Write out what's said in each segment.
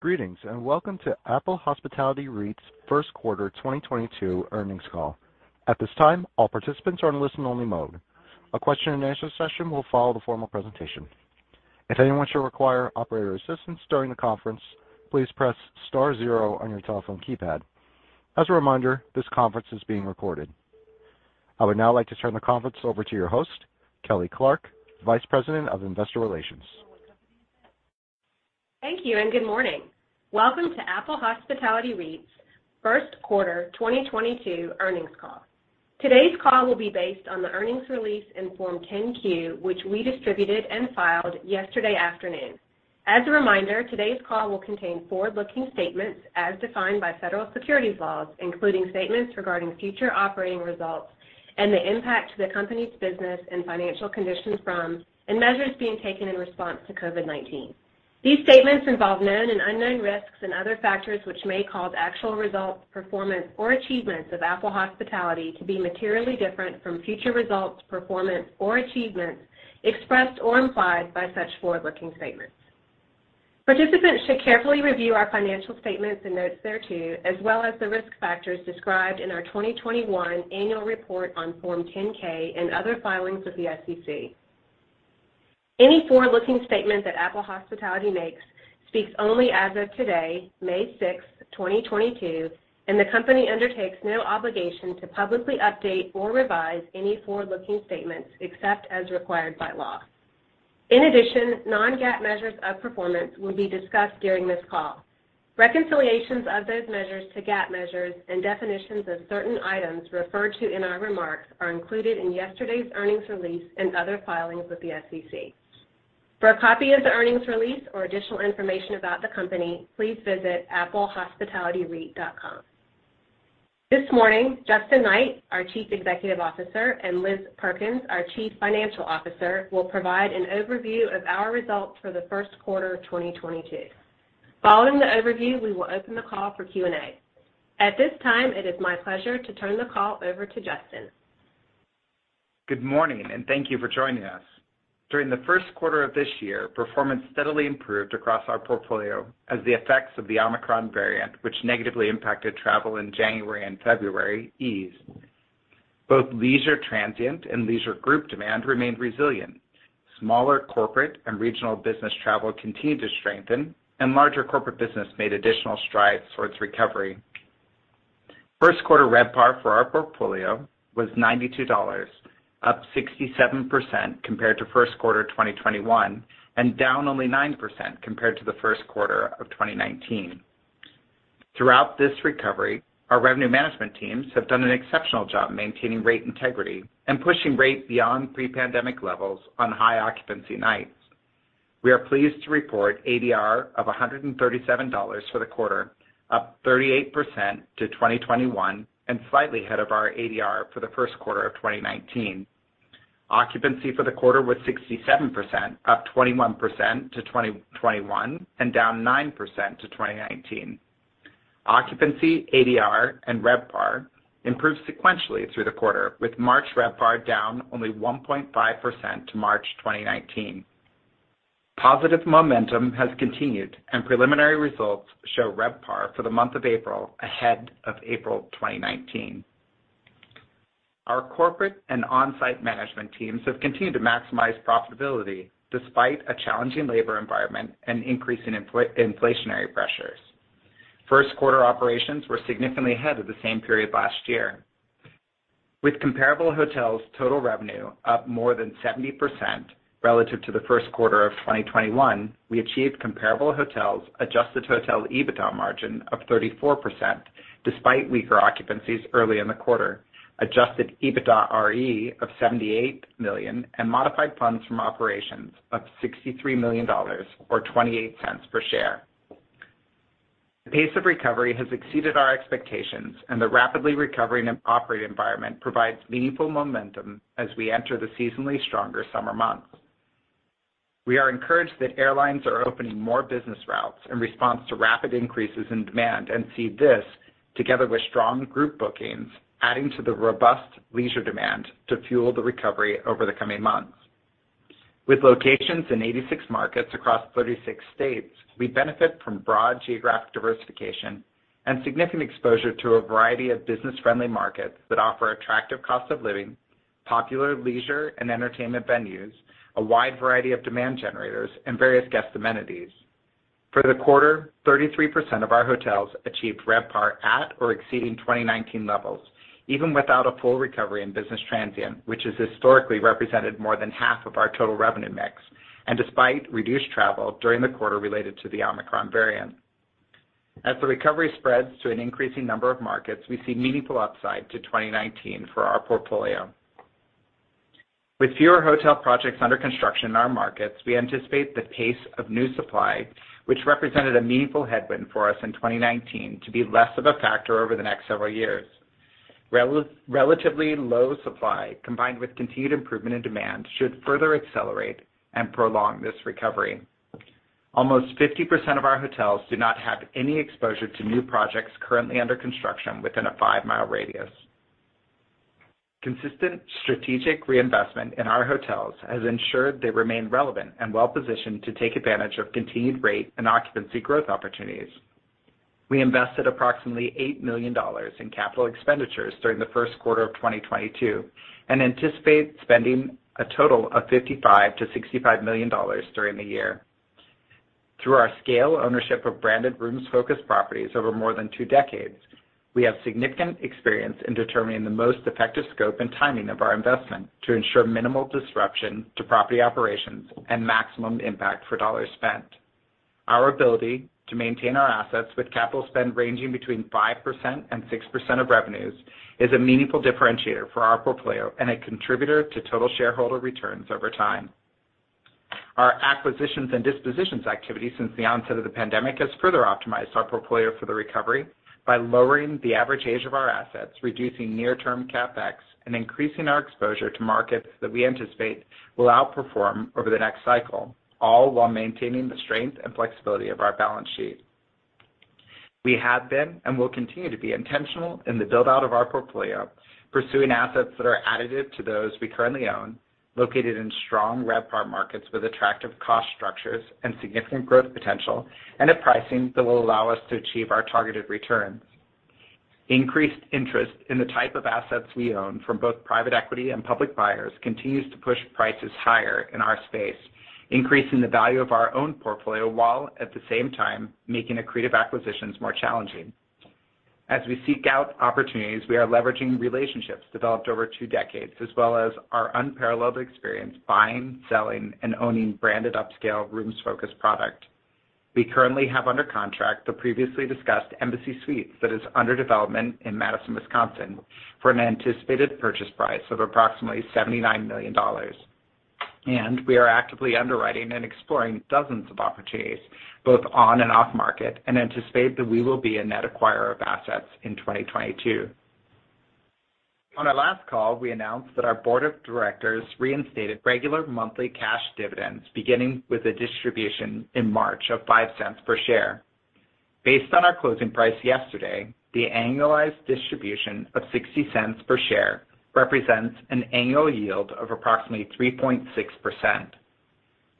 Greetings, and welcome to Apple Hospitality REIT's first quarter 2022 earnings call. At this time, all participants are in listen only mode. A question and answer session will follow the formal presentation. If anyone should require operator assistance during the conference, please press star zero on your telephone keypad. As a reminder, this conference is being recorded. I would now like to turn the conference over to your host, Kelly Clarke, Vice President of Investor Relations. Thank you, and good morning. Welcome to Apple Hospitality REIT's first quarter 2022 earnings call. Today's call will be based on the earnings release in Form 10-Q, which we distributed and filed yesterday afternoon. As a reminder, today's call will contain forward-looking statements as defined by federal securities laws, including statements regarding future operating results and the impact to the company's business and financial conditions from, and measures being taken in response to COVID-19. These statements involve known and unknown risks and other factors which may cause actual results, performance or achievements of Apple Hospitality to be materially different from future results, performance or achievements expressed or implied by such forward-looking statements. Participants should carefully review our financial statements and notes thereto, as well as the risk factors described in our 2021 annual report on Form 10-K and other filings with the SEC. Any forward-looking statement that Apple Hospitality makes speaks only as of today, May 6, 2022, and the company undertakes no obligation to publicly update or revise any forward-looking statements except as required by law. In addition, Non-GAAP measures of performance will be discussed during this call. Reconciliations of those measures to GAAP measures and definitions of certain items referred to in our remarks are included in yesterday's earnings release and other filings with the SEC. For a copy of the earnings release or additional information about the company, please visit applehospitalityreit.com. This morning, Justin Knight, our Chief Executive Officer, and Liz Perkins, our Chief Financial Officer, will provide an overview of our results for the first quarter of 2022. Following the overview, we will open the call for Q&A. At this time, it is my pleasure to turn the call over to Justin. Good morning, and thank you for joining us. During the first quarter of this year, performance steadily improved across our portfolio as the effects of the Omicron variant, which negatively impacted travel in January and February, eased. Both leisure transient and leisure group demand remained resilient. Smaller corporate and regional business travel continued to strengthen, and larger corporate business made additional strides towards recovery. First quarter RevPAR for our portfolio was $92, up 67% compared to first quarter 2021, and down only 9% compared to the first quarter of 2019. Throughout this recovery, our revenue management teams have done an exceptional job maintaining rate integrity and pushing rate beyond pre-pandemic levels on high occupancy nights. We are pleased to report ADR of $137 for the quarter, up 38% to 2021, and slightly ahead of our ADR for the first quarter of 2019. Occupancy for the quarter was 67%, up 21% to 2021 and down 9% to 2019. Occupancy, ADR, and RevPAR improved sequentially through the quarter, with March RevPAR down only 1.5% to March 2019. Positive momentum has continued and preliminary results show RevPAR for the month of April ahead of April 2019. Our corporate and on-site management teams have continued to maximize profitability despite a challenging labor environment and increase in inflationary pressures. First quarter operations were significantly ahead of the same period last year. With comparable hotels total revenue up more than 70% relative to the first quarter of 2021, we achieved comparable hotels adjusted hotel EBITDA margin of 34% despite weaker occupancies early in the quarter, adjusted EBITDAre of $78 million, and modified funds from operations of $63 million or $0.28 per share. The pace of recovery has exceeded our expectations, and the rapidly recovering and operating environment provides meaningful momentum as we enter the seasonally stronger summer months. We are encouraged that airlines are opening more business routes in response to rapid increases in demand and see this, together with strong group bookings, adding to the robust leisure demand to fuel the recovery over the coming months. With locations in 86 markets across 36 states, we benefit from broad geographic diversification and significant exposure to a variety of business-friendly markets that offer attractive cost of living, popular leisure and entertainment venues, a wide variety of demand generators, and various guest amenities. For the quarter, 33% of our hotels achieved RevPAR at or exceeding 2019 levels, even without a full recovery in business transient, which has historically represented more than half of our total revenue mix, and despite reduced travel during the quarter related to the Omicron variant. As the recovery spreads to an increasing number of markets, we see meaningful upside to 2019 for our portfolio. With fewer hotel projects under construction in our markets, we anticipate the pace of new supply, which represented a meaningful headwind for us in 2019, to be less of a factor over the next several years. Relatively low supply, combined with continued improvement in demand, should further accelerate and prolong this recovery. Almost 50% of our hotels do not have any exposure to new projects currently under construction within a 5 mi rad. Consistent strategic reinvestment in our hotels has ensured they remain relevant and well-positioned to take advantage of continued rate and occupancy growth opportunities. We invested approximately $8 million in capital expenditures during the first quarter of 2022, and anticipate spending a total of $55 million-$65 million during the year. Through our scale ownership of branded rooms-focused properties over more than two decades, we have significant experience in determining the most effective scope and timing of our investment to ensure minimal disruption to property operations and maximum impact for dollars spent. Our ability to maintain our assets with capital spend ranging between 5% and 6% of revenues is a meaningful differentiator for our portfolio and a contributor to total shareholder returns over time. Our acquisitions and dispositions activity since the onset of the pandemic has further optimized our portfolio for the recovery by lowering the average age of our assets, reducing near-term CapEx, and increasing our exposure to markets that we anticipate will outperform over the next cycle, all while maintaining the strength and flexibility of our balance sheet. We have been and will continue to be intentional in the build-out of our portfolio, pursuing assets that are additive to those we currently own, located in strong RevPAR markets with attractive cost structures and significant growth potential, and at pricing that will allow us to achieve our targeted returns. Increased interest in the type of assets we own from both private equity and public buyers continues to push prices higher in our space, increasing the value of our own portfolio while at the same time making accretive acquisitions more challenging. As we seek out opportunities, we are leveraging relationships developed over two decades as well as our unparalleled experience buying, selling, and owning branded upscale rooms-focused product. We currently have under contract the previously discussed Embassy Suites that is under development in Madison, Wisconsin, for an anticipated purchase price of approximately $79 million. We are actively underwriting and exploring dozens of opportunities both on and off market, and anticipate that we will be a net acquirer of assets in 2022. On our last call, we announced that our board of directors reinstated regular monthly cash dividends, beginning with a distribution in March of $0.05 per share. Based on our closing price yesterday, the annualized distribution of $0.60 per share represents an annual yield of approximately 3.6%.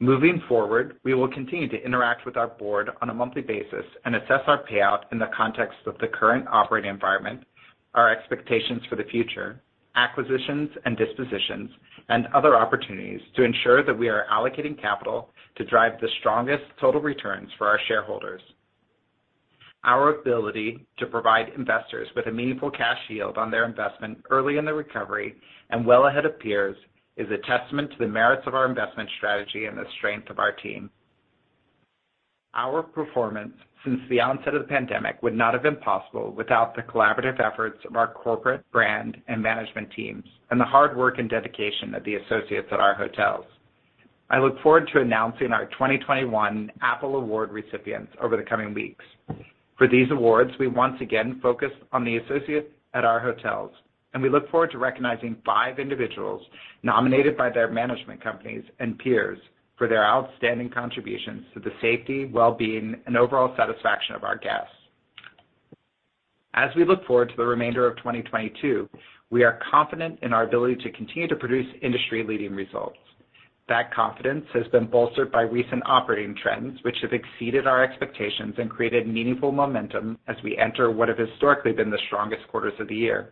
Moving forward, we will continue to interact with our board on a monthly basis and assess our payout in the context of the current operating environment, our expectations for the future, acquisitions and dispositions, and other opportunities to ensure that we are allocating capital to drive the strongest total returns for our shareholders. Our ability to provide investors with a meaningful cash yield on their investment early in the recovery and well ahead of peers is a testament to the merits of our investment strategy and the strength of our team. Our performance since the onset of the pandemic would not have been possible without the collaborative efforts of our corporate, brand, and management teams and the hard work and dedication of the associates at our hotels. I look forward to announcing our 2021 Apple Award recipients over the coming weeks. For these awards, we once again focus on the associates at our hotels, and we look forward to recognizing five individuals nominated by their management companies and peers for their outstanding contributions to the safety, well-being, and overall satisfaction of our guests. As we look forward to the remainder of 2022, we are confident in our ability to continue to produce industry-leading results. That confidence has been bolstered by recent operating trends, which have exceeded our expectations and created meaningful momentum as we enter what have historically been the strongest quarters of the year.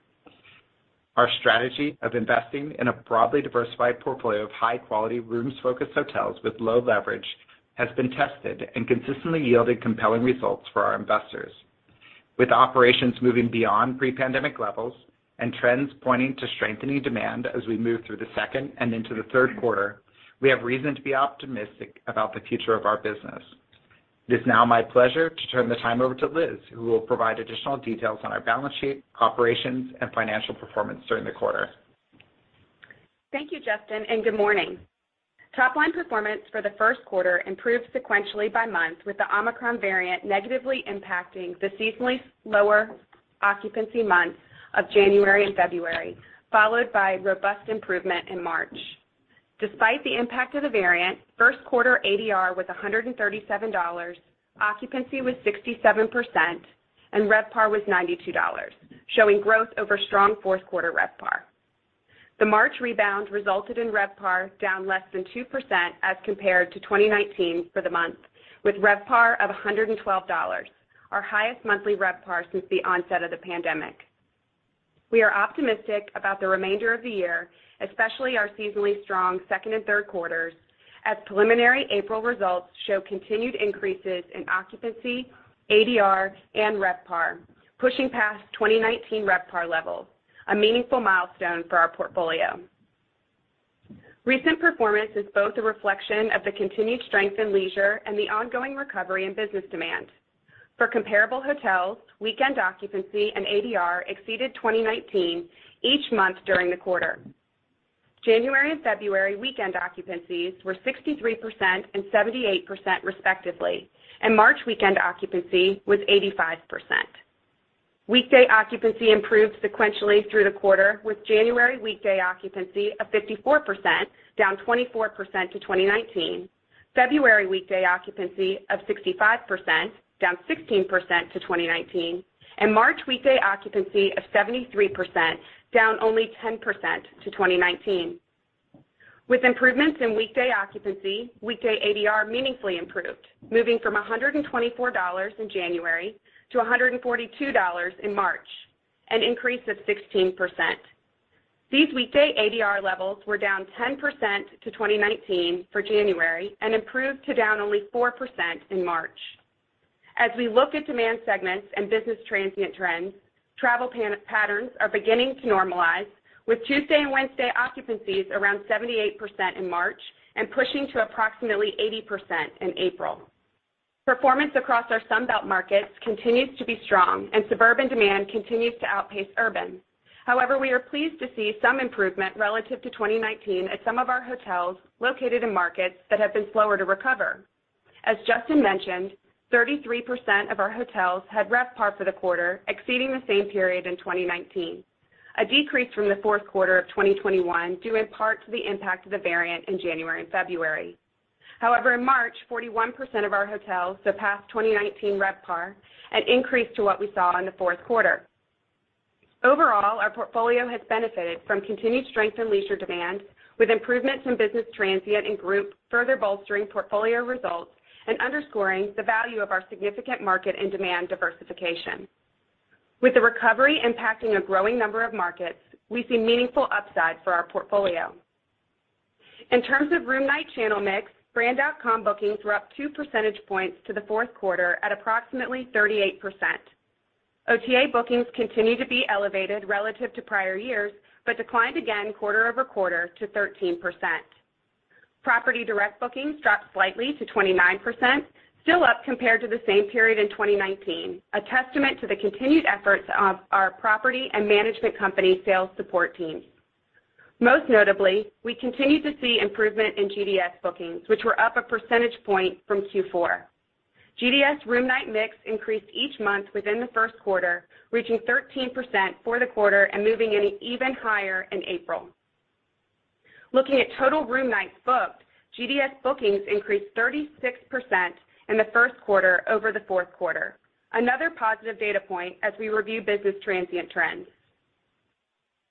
Our strategy of investing in a broadly diversified portfolio of high-quality rooms-focused hotels with low leverage has been tested and consistently yielded compelling results for our investors. With operations moving beyond pre-pandemic levels and trends pointing to strengthening demand as we move through the second and into the third quarter, we have reason to be optimistic about the future of our business. It is now my pleasure to turn the time over to Liz, who will provide additional details on our balance sheet, operations, and financial performance during the quarter. Thank you, Justin, and good morning. Top line performance for the first quarter improved sequentially by month with the Omicron variant negatively impacting the seasonally slower occupancy months of January and February, followed by robust improvement in March. Despite the impact of the variant, first quarter ADR was $137, occupancy was 67%, and RevPAR was $92, showing growth over strong fourth quarter RevPAR. The March rebound resulted in RevPAR down less than 2% as compared to 2019 for the month, with RevPAR of $112, our highest monthly RevPAR since the onset of the pandemic. We are optimistic about the remainder of the year, especially our seasonally strong second and third quarters, as preliminary April results show continued increases in occupancy, ADR, and RevPAR, pushing past 2019 RevPAR levels, a meaningful milestone for our portfolio. Recent performance is both a reflection of the continued strength in leisure and the ongoing recovery in business demand. For comparable hotels, weekend occupancy and ADR exceeded 2019 each month during the quarter. January and February weekend occupancies were 63% and 78% respectively, and March weekend occupancy was 85%. Weekday occupancy improved sequentially through the quarter with January weekday occupancy of 54%, down 24% to 2019. February weekday occupancy of 65%, down 16% to 2019, and March weekday occupancy of 73%, down only 10% to 2019. With improvements in weekday occupancy, weekday ADR meaningfully improved, moving from $124 in January to $142 in March, an increase of 16%. These weekday ADR levels were down 10% to 2019 for January and improved to down only 4% in March. As we look at demand segments and business transient trends, travel patterns are beginning to normalize with Tuesday and Wednesday occupancies around 78% in March and pushing to approximately 80% in April. Performance across our Sunbelt markets continues to be strong and suburban demand continues to outpace urban. However, we are pleased to see some improvement relative to 2019 at some of our hotels located in markets that have been slower to recover. As Justin mentioned, 33% of our hotels had RevPAR for the quarter exceeding the same period in 2019. A decrease from the fourth quarter of 2021, due in part to the impact of the variant in January and February. However, in March, 41% of our hotels surpassed 2019 RevPAR, an increase to what we saw in the fourth quarter. Overall, our portfolio has benefited from continued strength in leisure demand, with improvements in business transient and group further bolstering portfolio results and underscoring the value of our significant market and demand diversification. With the recovery impacting a growing number of markets, we see meaningful upside for our portfolio. In terms of room night channel mix, Brand.com bookings were up two percentage points to the fourth quarter at approximately 38%. OTA bookings continue to be elevated relative to prior years, but declined again quarter-over-quarter to 13%. Property direct bookings dropped slightly to 29%, still up compared to the same period in 2019, a testament to the continued efforts of our property and management company sales support teams. Most notably, we continued to see improvement in GDS bookings, which were up a percentage point from Q4. GDS room night mix increased each month within the first quarter, reaching 13% for the quarter and moving in even higher in April. Looking at total room nights booked, GDS bookings increased 36% in the first quarter over the fourth quarter. Another positive data point as we review business transient trends.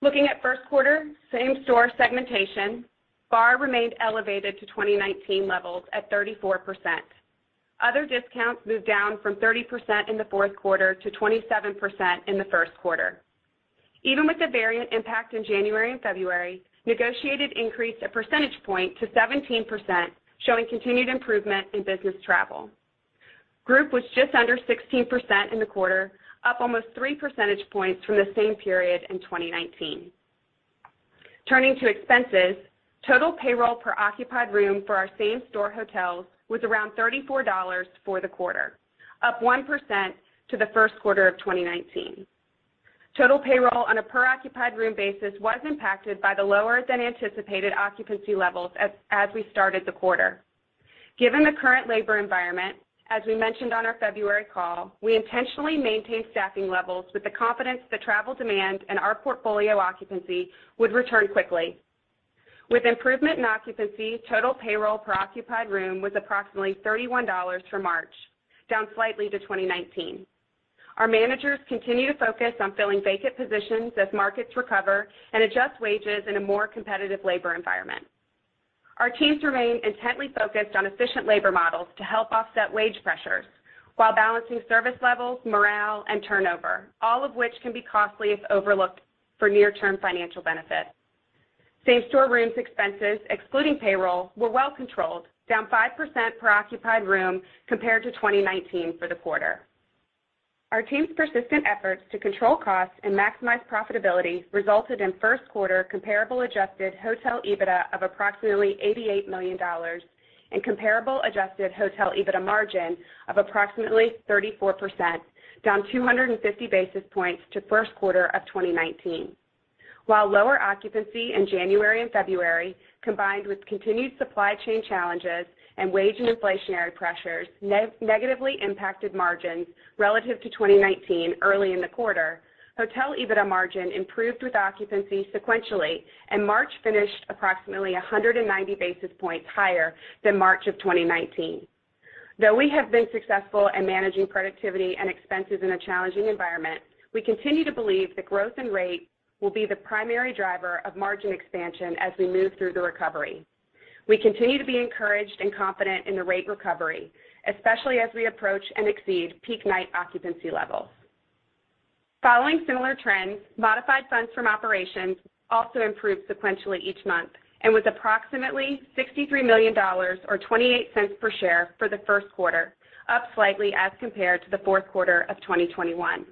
Looking at first quarter same store segmentation, BAR remained elevated to 2019 levels at 34%. Other discounts moved down from 30% in the fourth quarter to 27% in the first quarter. Even with the variant impact in January and February, negotiated increased a percentage point to 17%, showing continued improvement in business travel. Group was just under 16% in the quarter, up almost three percentage points from the same period in 2019. Turning to expenses, total payroll per occupied room for our same store hotels was around $34 for the quarter, up 1% to the first quarter of 2019. Total payroll on a per occupied room basis was impacted by the lower than anticipated occupancy levels as we started the quarter. Given the current labor environment, as we mentioned on our February call, we intentionally maintained staffing levels with the confidence that travel demand and our portfolio occupancy would return quickly. With improvement in occupancy, total payroll per occupied room was approximately $31 for March, down slightly to 2019. Our managers continue to focus on filling vacant positions as markets recover and adjust wages in a more competitive labor environment. Our teams remain intently focused on efficient labor models to help offset wage pressures while balancing service levels, morale, and turnover, all of which can be costly if overlooked for near-term financial benefit. Same-store rooms expenses, excluding payroll, were well controlled, down 5% per occupied room compared to 2019 for the quarter. Our team's persistent efforts to control costs and maximize profitability resulted in first quarter comparable adjusted hotel EBITDA of approximately $88 million and comparable adjusted hotel EBITDA margin of approximately 34%, down 250 basis points to first quarter of 2019. While lower occupancy in January and February, combined with continued supply chain challenges and wage and inflationary pressures negatively impacted margins relative to 2019 early in the quarter, hotel EBITDA margin improved with occupancy sequentially, and March finished approximately 190 basis points higher than March of 2019. Though we have been successful in managing productivity and expenses in a challenging environment, we continue to believe that growth and rate will be the primary driver of margin expansion as we move through the recovery. We continue to be encouraged and confident in the rate recovery, especially as we approach and exceed peak night occupancy levels. Following similar trends, modified funds from operations also improved sequentially each month and was approximately $63 million or $0.28 per share for the first quarter, up slightly as compared to the fourth quarter of 2021.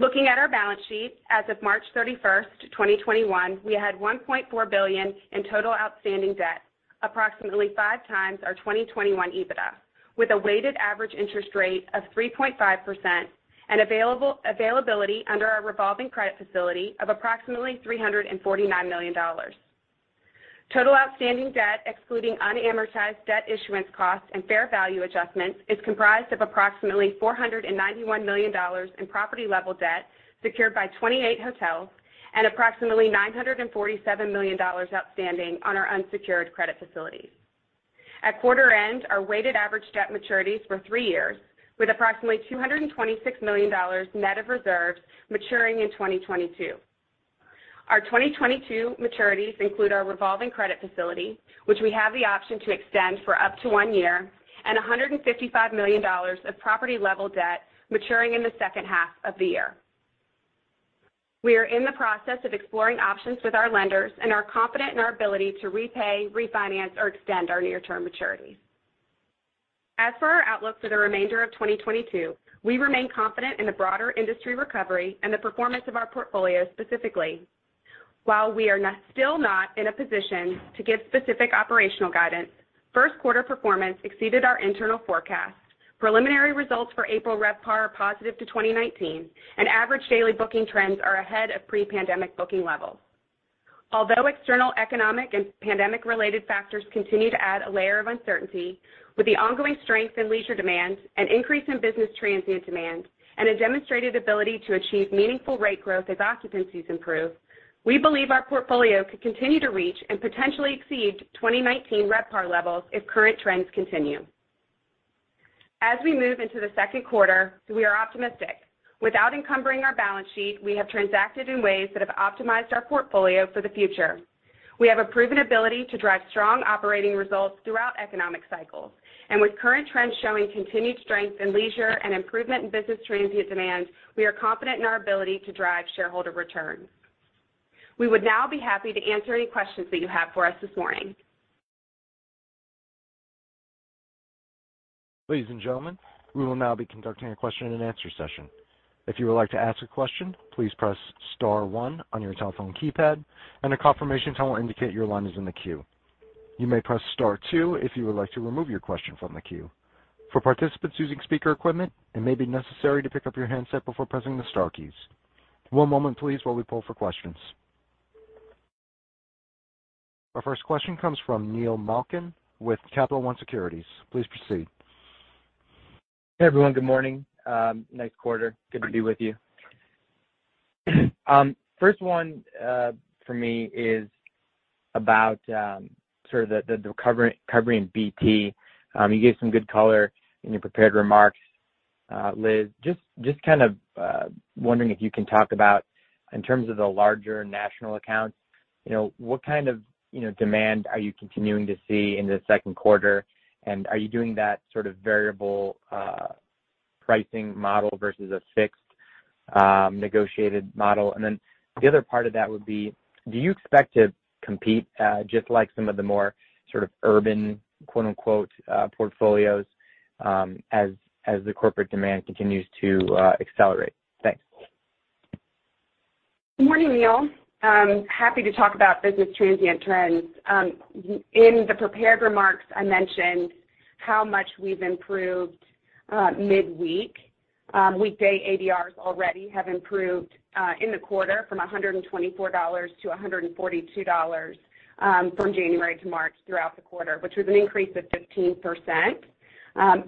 Looking at our balance sheet as of March 31st, 2021, we had $1.4 billion in total outstanding debt, approximately 5x our 2021 EBITDA, with a weighted average interest rate of 3.5% and availability under our revolving credit facility of approximately $349 million. Total outstanding debt, excluding unamortized debt issuance costs and fair value adjustments, is comprised of approximately $491 million in property-level debt secured by 28 hotels and approximately $947 million outstanding on our unsecured credit facilities. At quarter end, our weighted average debt maturities were three years, with approximately $226 million net of reserves maturing in 2022. Our 2022 maturities include our revolving credit facility, which we have the option to extend for up to one year and $155 million of property level debt maturing in the second half of the year. We are in the process of exploring options with our lenders and are confident in our ability to repay, refinance, or extend our near-term maturities. As for our outlook for the remainder of 2022, we remain confident in the broader industry recovery and the performance of our portfolio specifically. While we are still not in a position to give specific operational guidance, first quarter performance exceeded our internal forecast. Preliminary results for April RevPAR are positive to 2019, and average daily booking trends are ahead of pre-pandemic booking levels. Although external economic and pandemic-related factors continue to add a layer of uncertainty, with the ongoing strength in leisure demand, an increase in business transient demand, and a demonstrated ability to achieve meaningful rate growth as occupancies improve, we believe our portfolio could continue to reach and potentially exceed 2019 RevPAR levels if current trends continue. As we move into the second quarter, we are optimistic. Without encumbering our balance sheet, we have transacted in ways that have optimized our portfolio for the future. We have a proven ability to drive strong operating results throughout economic cycles. With current trends showing continued strength in leisure and improvement in business transient demand, we are confident in our ability to drive shareholder returns. We would now be happy to answer any questions that you have for us this morning. Ladies and gentlemen, we will now be conducting a question-and-answer session. If you would like to ask a question, please press star one on your telephone keypad, and a confirmation tone will indicate your line is in the queue. You may press star two if you would like to remove your question from the queue. For participants using speaker equipment, it may be necessary to pick up your handset before pressing the star keys. One moment please, while we pull for questions. Our first question comes from Neil Malkin with Capital One Securities. Please proceed. Hey, everyone. Good morning. Nice quarter. Good to be with you. First one for me is about sort of the recovery in BT. You gave some good color in your prepared remarks, Liz. Just kind of wondering if you can talk about in terms of the larger national accounts, you know, what kind of, you know, demand are you continuing to see in the second quarter? And are you doing that sort of variable pricing model versus a fixed negotiated model? And then the other part of that would be, do you expect to compete just like some of the more sort of urban, quote-unquote, portfolios, as the corporate demand continues to accelerate? Thanks. Good morning, Neil. Happy to talk about business transient trends. In the prepared remarks, I mentioned how much we've improved midweek. Weekday ADRs already have improved in the quarter from $124 to $142 from January to March throughout the quarter, which was an increase of 15%.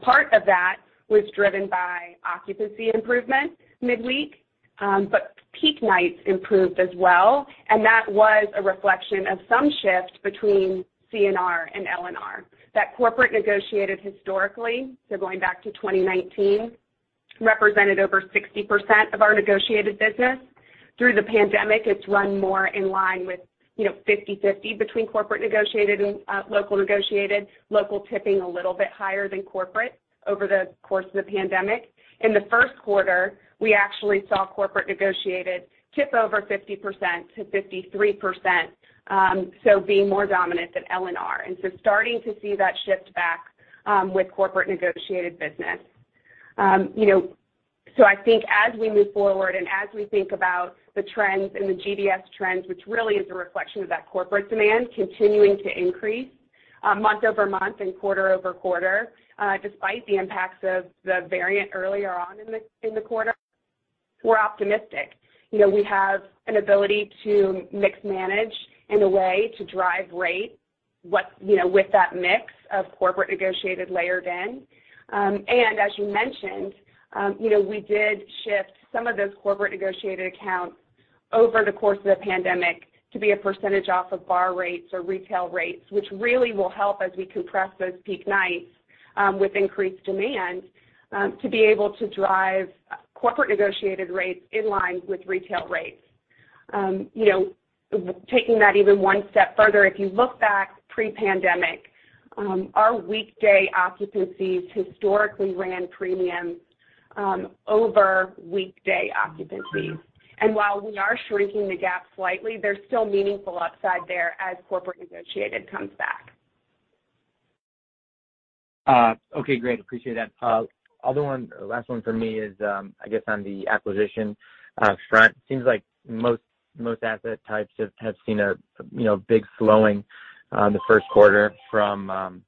Part of that was driven by occupancy improvement midweek, but peak nights improved as well, and that was a reflection of some shift between CNR and LNR. That corporate negotiated historically, so going back to 2019, represented over 60% of our negotiated business. Through the pandemic, it's run more in line with, you know, 50/50 between corporate negotiated and local negotiated, local tipping a little bit higher than corporate over the course of the pandemic. In the first quarter, we actually saw corporate negotiated tip over 50%-53%, so being more dominant than LNR. Starting to see that shift back with corporate negotiated business. I think as we move forward and as we think about the trends and the GDS trends, which really is a reflection of that corporate demand continuing to increase month-over-month and quarter-over-quarter, despite the impacts of the variant earlier on in the quarter, we're optimistic. You know, we have an ability to mix manage in a way to drive rate, you know, with that mix of corporate negotiated layered in. As you mentioned, you know, we did shift some of those corporate negotiated accounts over the course of the pandemic to be a percentage off of bar rates or retail rates, which really will help as we compress those peak nights, with increased demand, to be able to drive corporate negotiated rates in line with retail rates. You know, taking that even one step further, if you look back pre-pandemic, our weekday occupancies historically ran premium, over weekday occupancies. While we are shrinking the gap slightly, there's still meaningful upside there as corporate negotiated comes back. Okay, great. Appreciate that. Other one, last one for me is, I guess on the acquisition front. Seems like most asset types have seen a, you know, big slowing in the first quarter from,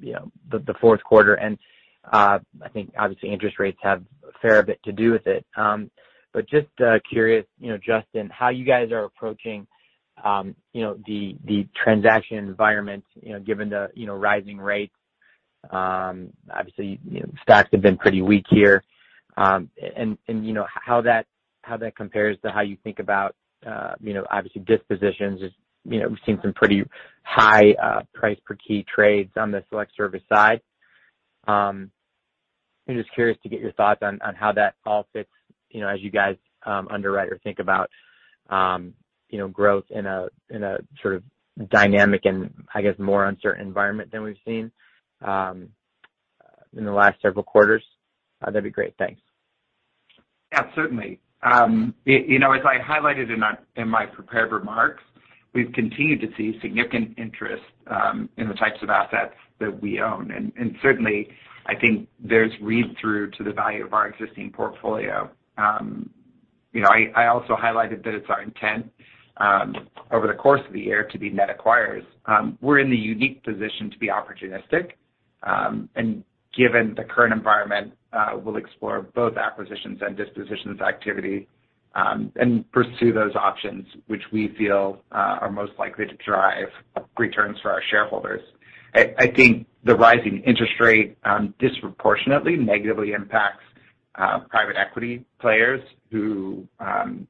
you know, the fourth quarter. I think obviously interest rates have a fair bit to do with it. But just curious, you know, Justin, how you guys are approaching, you know, the transaction environment, you know, given the, you know, rising rates. Obviously, you know, stocks have been pretty weak here. You know, how that compares to how you think about, you know, obviously dispositions. As you know, we've seen some pretty high price per key trades on the select service side. I'm just curious to get your thoughts on how that all fits, you know, as you guys underwrite or think about, you know, growth in a sort of dynamic and, I guess, more uncertain environment than we've seen in the last several quarters. That'd be great. Thanks. Yeah, certainly. You know, as I highlighted in our, in my prepared remarks, we've continued to see significant interest in the types of assets that we own. Certainly, I think there's read through to the value of our existing portfolio. You know, I also highlighted that it's our intent over the course of the year to be net acquirers. We're in the unique position to be opportunistic, and given the current environment, we'll explore both acquisitions and dispositions activity, and pursue those options which we feel are most likely to drive returns for our shareholders. I think the rising interest rate disproportionately negatively impacts private equity players who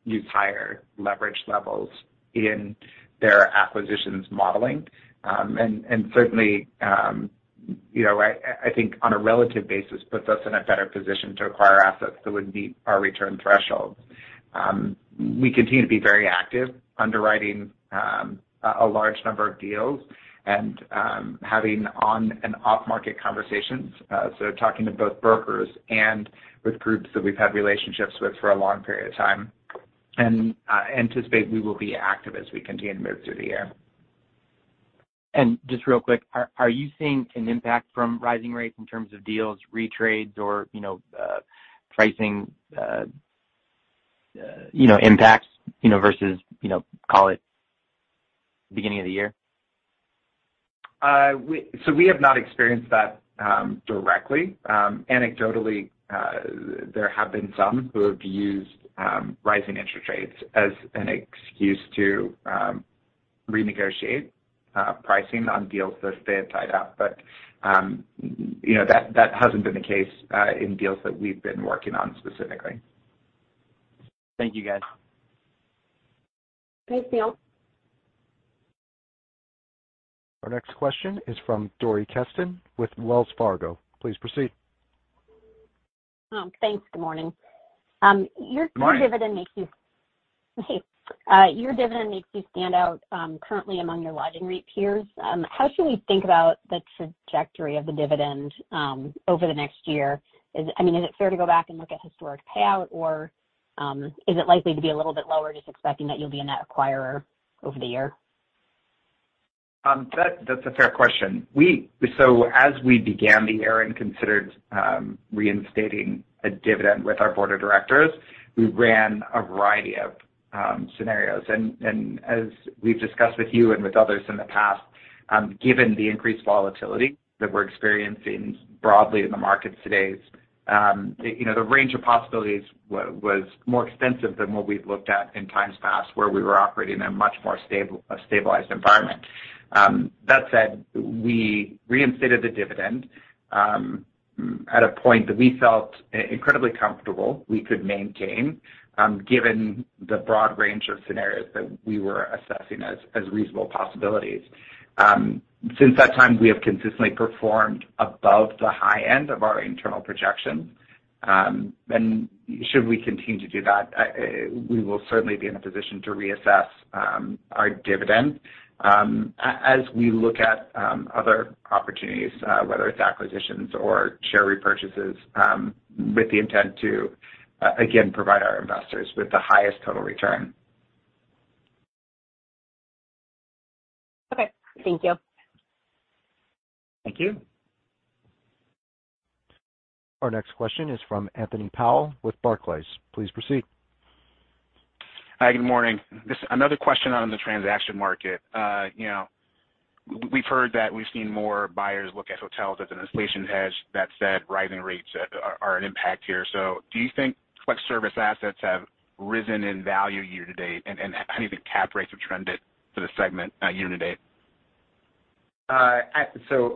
use higher leverage levels in their acquisitions modeling. Certainly, you know, I think on a relative basis puts us in a better position to acquire assets that would meet our return threshold. We continue to be very active underwriting a large number of deals and having on and off market conversations. Talking to both brokers and with groups that we've had relationships with for a long period of time, and anticipate we will be active as we continue to move through the year. Just real quick, are you seeing an impact from rising rates in terms of deals, retrades or, you know, impacts, you know, versus, you know, call it beginning of the year? We have not experienced that directly. Anecdotally, there have been some who have used rising interest rates as an excuse to renegotiate pricing on deals that they have tied up. You know, that hasn't been the case in deals that we've been working on specifically. Thank you, guys. Thanks, Neil. Our next question is from Dori Kesten with Wells Fargo. Please proceed. Thanks. Good morning. Morning. Your dividend makes you stand out currently among your lodging REIT peers. How should we think about the trajectory of the dividend over the next year? I mean, is it fair to go back and look at historical payout, or is it likely to be a little bit lower, just expecting that you'll be a net acquirer over the year? That's a fair question. As we began the year and considered reinstating a dividend with our board of directors, we ran a variety of scenarios. As we've discussed with you and with others in the past, given the increased volatility that we're experiencing broadly in the markets today, you know, the range of possibilities was more extensive than what we've looked at in times past where we were operating in a much more stabilized environment. That said, we reinstated the dividend at a point that we felt incredibly comfortable we could maintain, given the broad range of scenarios that we were assessing as reasonable possibilities. Since that time, we have consistently performed above the high end of our internal projections. Should we continue to do that, we will certainly be in a position to reassess our dividend as we look at other opportunities, whether it's acquisitions or share repurchases, with the intent to again provide our investors with the highest total return. Okay. Thank you. Thank you. Our next question is from Anthony Powell with Barclays. Please proceed. Hi, good morning. Another question on the transaction market. You know, we've heard that we've seen more buyers look at hotels as an inflation hedge. That said, rising rates are an impact here. Do you think select service assets have risen in value year to date? And how do you think cap rates have trended for the segment year to date?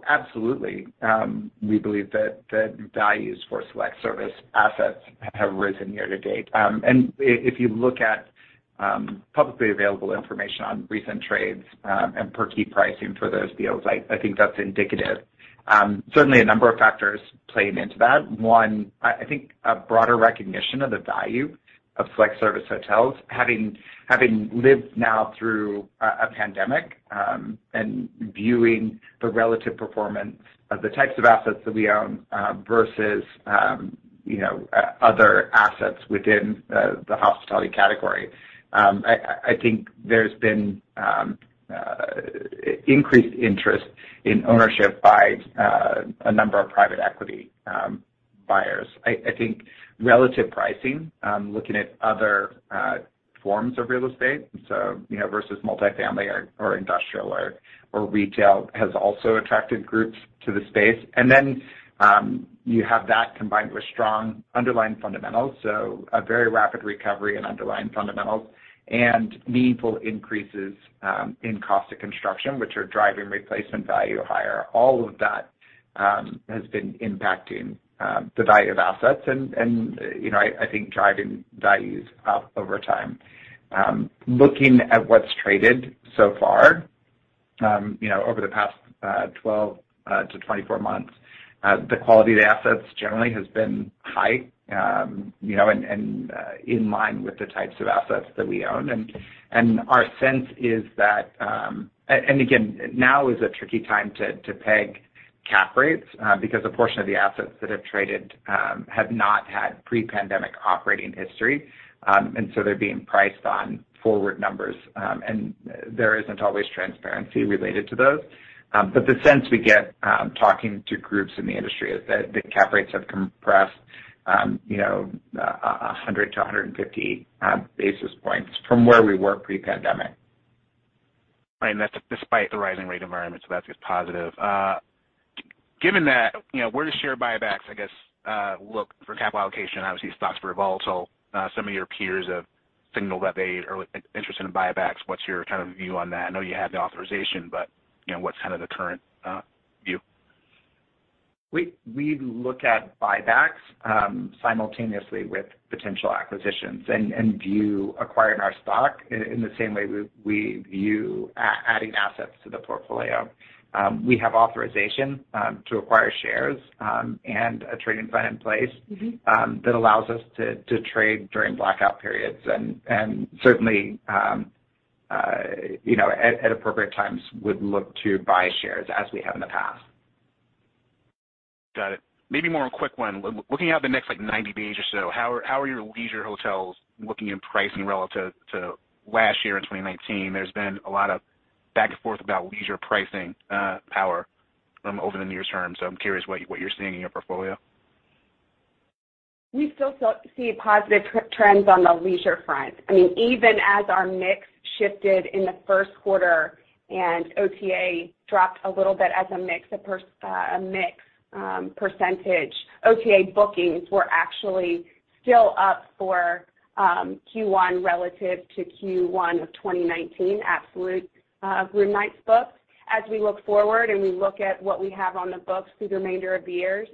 Absolutely. We believe that the values for select service assets have risen year to date. If you look at publicly available information on recent trades and per key pricing for those deals, I think that's indicative. Certainly a number of factors playing into that. One, I think a broader recognition of the value of select service hotels, having lived now through a pandemic and viewing the relative performance of the types of assets that we own versus you know other assets within the hospitality category. I think there's been increased interest in ownership by a number of private equity buyers. I think relative pricing, looking at other forms of real estate, you know, versus multifamily or industrial or retail has also attracted groups to the space. You have that combined with strong underlying fundamentals, so a very rapid recovery in underlying fundamentals and meaningful increases in cost of construction, which are driving replacement value higher. All of that has been impacting the value of assets and, you know, I think driving values up over time. Looking at what's traded so far, you know, over the past 12-24 months, the quality of the assets generally has been high, you know, and in line with the types of assets that we own. Our sense is that. Again, now is a tricky time to peg cap rates, because a portion of the assets that have traded have not had pre-pandemic operating history. So they're being priced on forward numbers, and there isn't always transparency related to those. The sense we get, talking to groups in the industry, is that cap rates have compressed, you know, 100-150 basis points from where we were pre-pandemic. Right, that's despite the rising rate environment, so that's just positive. Given that, you know, where do share buybacks, I guess, look for capital allocation? Obviously, stock's been volatile. Some of your peers have signaled that they are, like, interested in buybacks. What's your kind of view on that? I know you have the authorization, but, you know, what's kind of the current view? We look at buybacks simultaneously with potential acquisitions and view acquiring our stock in the same way we view adding assets to the portfolio. We have authorization to acquire shares and a trading plan in place. Mm-hmm that allows us to trade during blackout periods. Certainly, you know, at appropriate times would look to buy shares as we have in the past. Got it. Maybe one more quick one. Looking out to the next, like, 90 days or so, how are your leisure hotels looking in pricing relative to last year in 2019? There's been a lot of back and forth about leisure pricing power over the near term. I'm curious what you're seeing in your portfolio. We still see positive trends on the leisure front. I mean, even as our mix shifted in the first quarter and OTA dropped a little bit as a mix percentage, OTA bookings were actually still up for Q1 relative to Q1 of 2019, absolute room nights booked. As we look forward and we look at what we have on the books through the remainder of the year,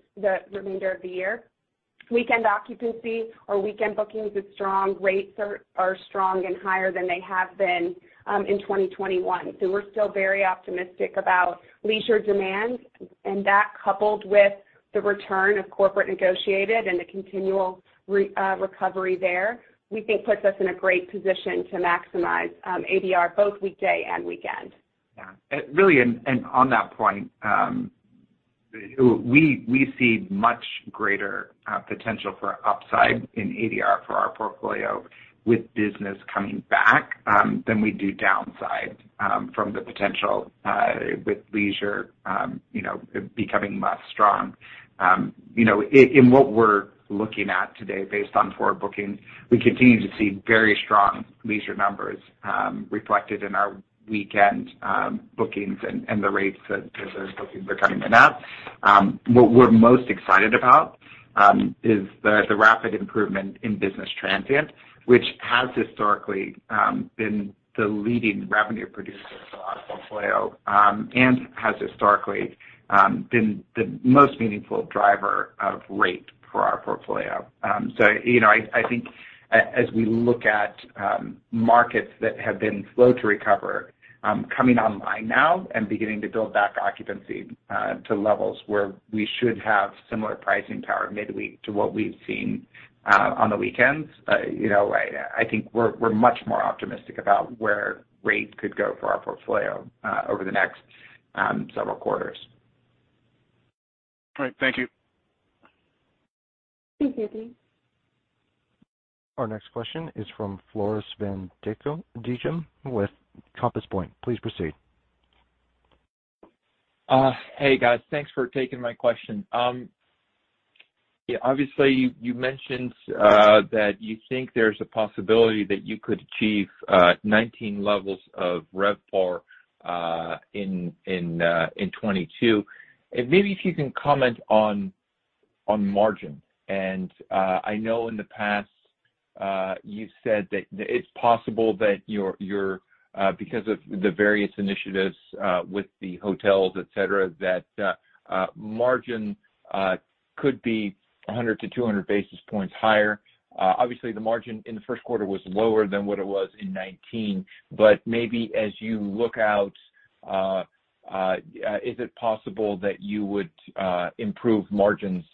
weekend occupancy or weekend bookings is strong. Rates are strong and higher than they have been in 2021. We're still very optimistic about leisure demand, and that coupled with the return of corporate negotiated and the continual recovery there, we think puts us in a great position to maximize ADR, both weekday and weekend. Really, on that point, we see much greater potential for upside in ADR for our portfolio with business coming back than we do downside from the potential with leisure you know becoming less strong. You know, in what we're looking at today based on forward bookings, we continue to see very strong leisure numbers reflected in our weekend bookings and the rates that those bookings are coming in at. What we're most excited about is the rapid improvement in business transient, which has historically been the leading revenue producer for our portfolio and has historically been the most meaningful driver of rate for our portfolio. You know, I think as we look at markets that have been slow to recover, coming online now and beginning to build back occupancy to levels where we should have similar pricing power midweek to what we've seen on the weekends, you know, I think we're much more optimistic about where rates could go for our portfolio over the next several quarters. All right. Thank you. Thank you. Our next question is from Floris van Dijkum with Compass Point. Please proceed. Hey, guys. Thanks for taking my question. Yeah, obviously, you mentioned that you think there's a possibility that you could achieve 2019 levels of RevPAR in 2022. Maybe if you can comment on margin. I know in the past you said that it's possible that your because of the various initiatives with the hotels, et cetera, that margin could be 100-200 basis points higher. Obviously, the margin in the first quarter was lower than what it was in 2019. Maybe as you look out, is it possible that you would improve margins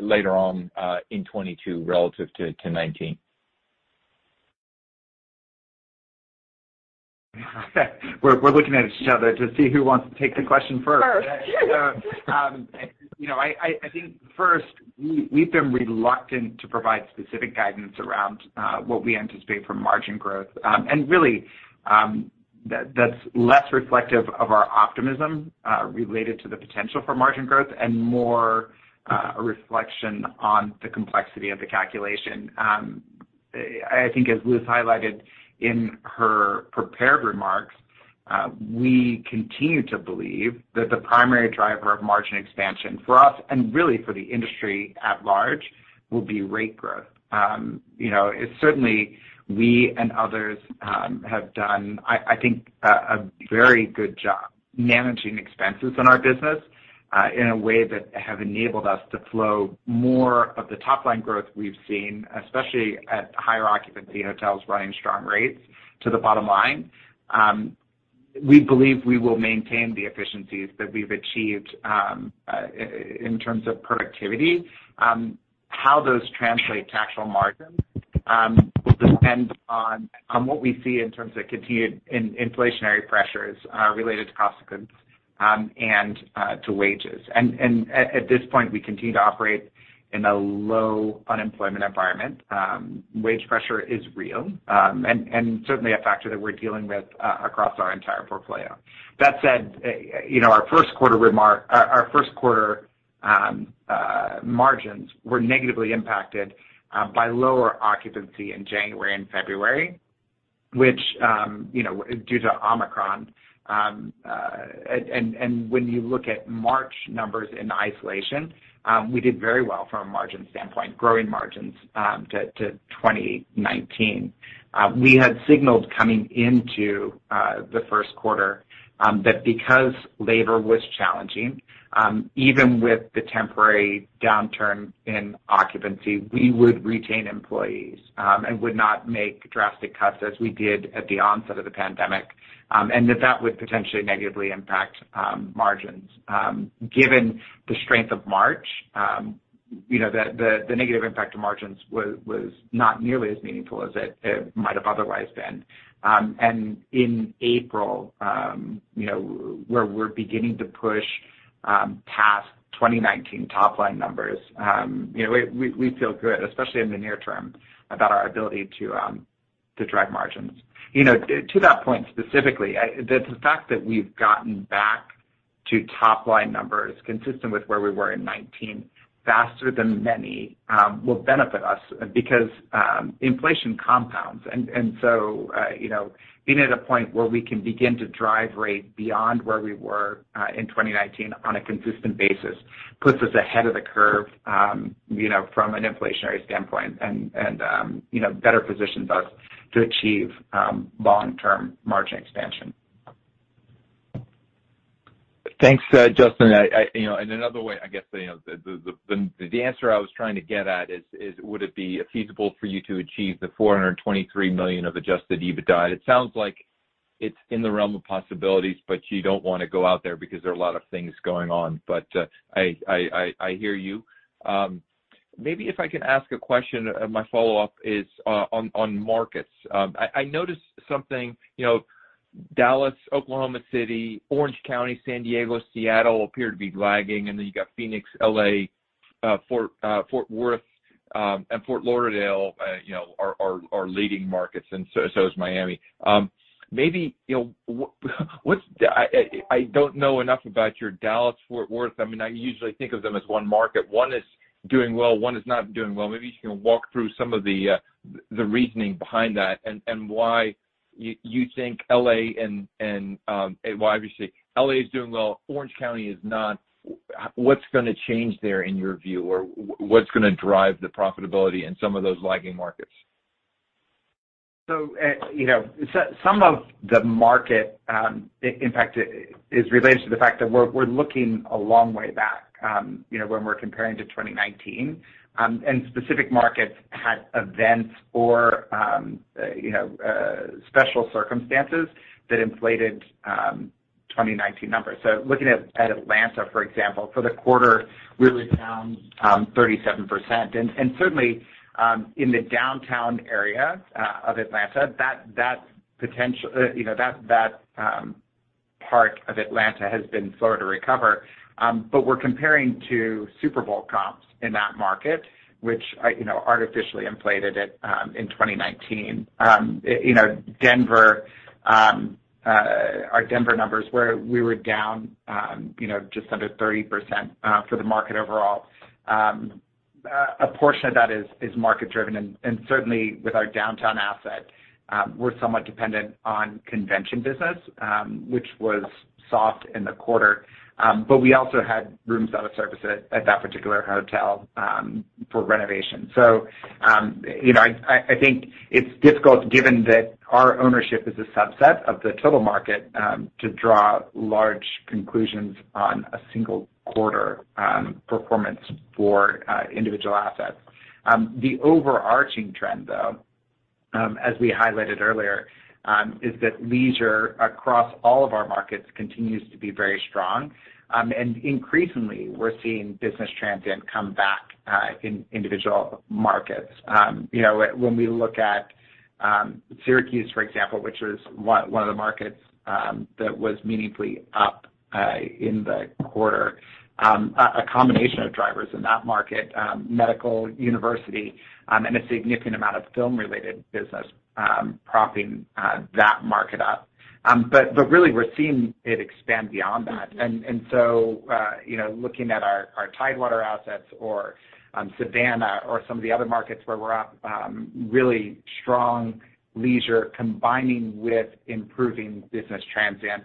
later on in 2022 relative to 2019? We're looking at each other to see who wants to take the question first. First. You know, I think first, we've been reluctant to provide specific guidance around what we anticipate for margin growth. Really, that's less reflective of our optimism related to the potential for margin growth and more a reflection on the complexity of the calculation. I think as Liz highlighted in her prepared remarks, we continue to believe that the primary driver of margin expansion for us, and really for the industry at large, will be rate growth. You know, certainly we and others have done, I think, a very good job managing expenses in our business in a way that have enabled us to flow more of the top line growth we've seen, especially at higher occupancy hotels running strong rates, to the bottom line. We believe we will maintain the efficiencies that we've achieved in terms of productivity. How those translate to actual margins will depend on what we see in terms of continued inflationary pressures related to cost of goods and to wages. At this point, we continue to operate in a low unemployment environment. Wage pressure is real and certainly a factor that we're dealing with across our entire portfolio. That said, you know, our first quarter margins were negatively impacted by lower occupancy in January and February, which you know, due to Omicron. When you look at March numbers in isolation, we did very well from a margin standpoint, growing margins to 2019. We had signaled coming into the first quarter that because labor was challenging, even with the temporary downturn in occupancy, we would retain employees and would not make drastic cuts as we did at the onset of the pandemic, and that would potentially negatively impact margins. Given the strength of March, you know, the negative impact to margins was not nearly as meaningful as it might have otherwise been. In April, you know, where we're beginning to push past 2019 top line numbers, you know, we feel good, especially in the near-term, about our ability to drive margins. You know, to that point specifically, the fact that we've gotten back to top line numbers consistent with where we were in 2019 faster than many will benefit us because inflation compounds. You know, being at a point where we can begin to drive rate beyond where we were in 2019 on a consistent basis puts us ahead of the curve, you know, from an inflationary standpoint and you know, better positions us to achieve long-term margin expansion. Thanks, Justin. You know, another way, I guess, you know, the answer I was trying to get at is would it be feasible for you to achieve $423 million of adjusted EBITDA? It sounds like it's in the realm of possibilities, but you don't wanna go out there because there are a lot of things going on. I hear you. Maybe if I can ask a question, my follow-up is on markets. I noticed something, you know, Dallas, Oklahoma City, Orange County, San Diego, Seattle appear to be lagging, and then you got Phoenix, L.A., Fort Worth, and Fort Lauderdale, you know, are leading markets, and so is Miami. Maybe, you know, I don't know enough about your Dallas, Fort Worth. I mean, I usually think of them as one market. One is doing well, one is not doing well. Maybe you can walk through some of the reasoning behind that and why you think L.A. and why obviously L.A. is doing well, Orange County is not. What's gonna change there in your view, or what's gonna drive the profitability in some of those lagging markets? Some of the market impact is related to the fact that we're looking a long way back, you know, when we're comparing to 2019, and specific markets had events or, you know, special circumstances that inflated 2019 numbers. Looking at Atlanta, for example, for the quarter, we were down 37%. Certainly, in the downtown area of Atlanta, that part of Atlanta has been slower to recover. We're comparing to Super Bowl comps in that market, which, you know, artificially inflated it in 2019. You know, Denver, our Denver numbers were down just under 30% for the market overall. A portion of that is market-driven, and certainly with our downtown asset, we're somewhat dependent on convention business, which was soft in the quarter. We also had rooms out of service at that particular hotel for renovation. You know, I think it's difficult given that our ownership is a subset of the total market to draw large conclusions on a single quarter performance for individual assets. The overarching trend, though, as we highlighted earlier, is that leisure across all of our markets continues to be very strong, and increasingly, we're seeing business transient come back in individual markets. You know, when we look at Syracuse, for example, which was one of the markets that was meaningfully up in the quarter, a combination of drivers in that market, medical, university, and a significant amount of film-related business propping that market up. Really, we're seeing it expand beyond that. You know, looking at our Tidewater assets or Savannah or some of the other markets where we're up, really strong leisure combining with improving business transient.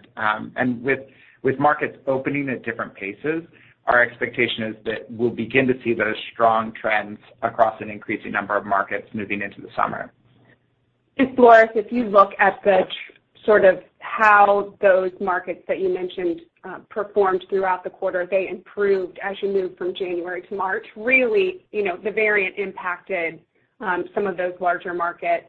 With markets opening at different paces, our expectation is that we'll begin to see those strong trends across an increasing number of markets moving into the summer. Floris, if you look at the sort of how those markets that you mentioned performed throughout the quarter, they improved as you move from January to March. Really, you know, the variant impacted some of those larger markets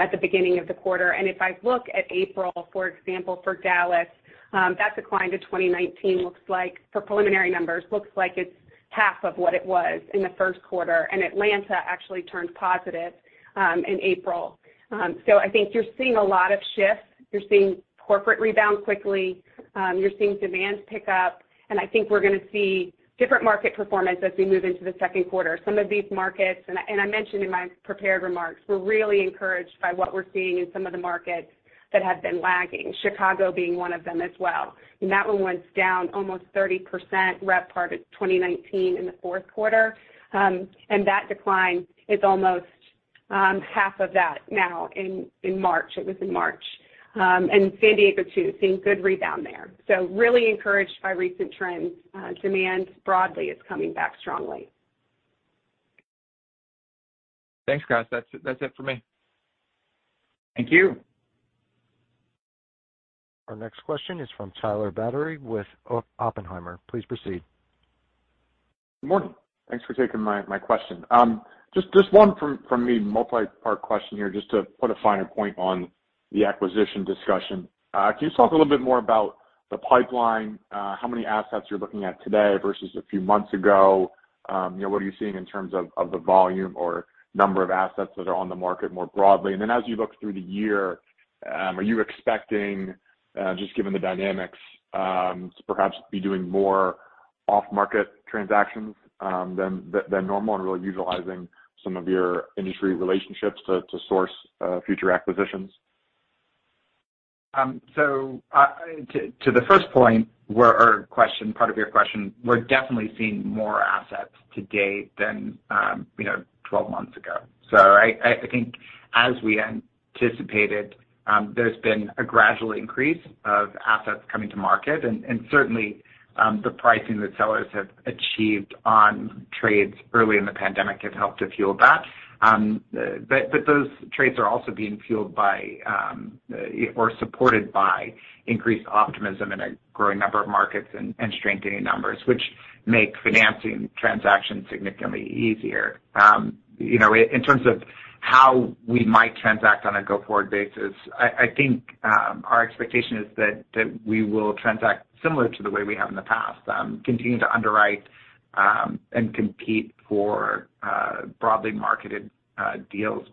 at the beginning of the quarter. If I look at April, for example, for Dallas, that decline to 2019 looks like, for preliminary numbers, it's half of what it was in the first quarter, and Atlanta actually turned positive in April. I think you're seeing a lot of shifts. You're seeing corporate rebound quickly. You're seeing demand pick up, and I think we're gonna see different market performance as we move into the second quarter. Some of these markets, I mentioned in my prepared remarks, we're really encouraged by what we're seeing in some of the markets that have been lagging, Chicago being one of them as well. That one was down almost 30% RevPAR at 2019 in the fourth quarter. That decline is almost half of that now in March. San Diego too, seeing good rebound there. Really encouraged by recent trends. Demand broadly is coming back strongly. Thanks, guys. That's it for me. Thank you. Our next question is from Tyler Batory with Oppenheimer. Please proceed. Good morning. Thanks for taking my question. Just one from me, multi-part question here, just to put a finer point on the acquisition discussion. Can you talk a little bit more about the pipeline, how many assets you're looking at today versus a few months ago? You know, what are you seeing in terms of the volume or number of assets that are on the market more broadly? As you look through the year, are you expecting, just given the dynamics, to perhaps be doing more off-market transactions than normal and really utilizing some of your industry relationships to source future acquisitions? To the first point or question, part of your question, we're definitely seeing more assets to date than you know, 12 months ago. I think as we anticipated, there's been a gradual increase of assets coming to market. Certainly, the pricing that sellers have achieved on trades early in the pandemic have helped to fuel that. Those trades are also being fueled by or supported by increased optimism in a growing number of markets and strengthening numbers, which make financing transactions significantly easier. You know, in terms of how we might transact on a go-forward basis, I think our expectation is that we will transact similar to the way we have in the past, continue to underwrite and compete for broadly marketed deals.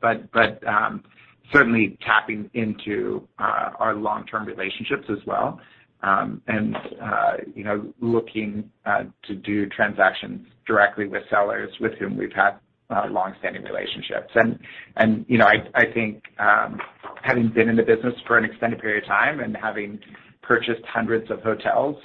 Certainly tapping into our long-term relationships as well, and you know, looking to do transactions directly with sellers with whom we've had long-standing relationships. You know, I think, having been in the business for an extended period of time and having purchased hundreds of hotels,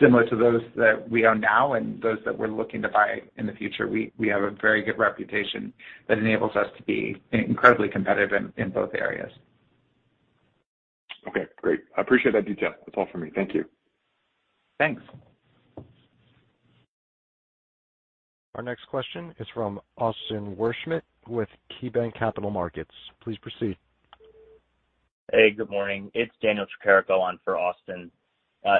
similar to those that we own now and those that we're looking to buy in the future, we have a very good reputation that enables us to be, you know, incredibly competitive in both areas. Okay, great. I appreciate that detail. That's all for me. Thank you. Thanks. Our next question is from Austin Wurschmidt with KeyBanc Capital Markets. Please proceed. Hey, good morning. It's Daniel Tricarico on for Austin.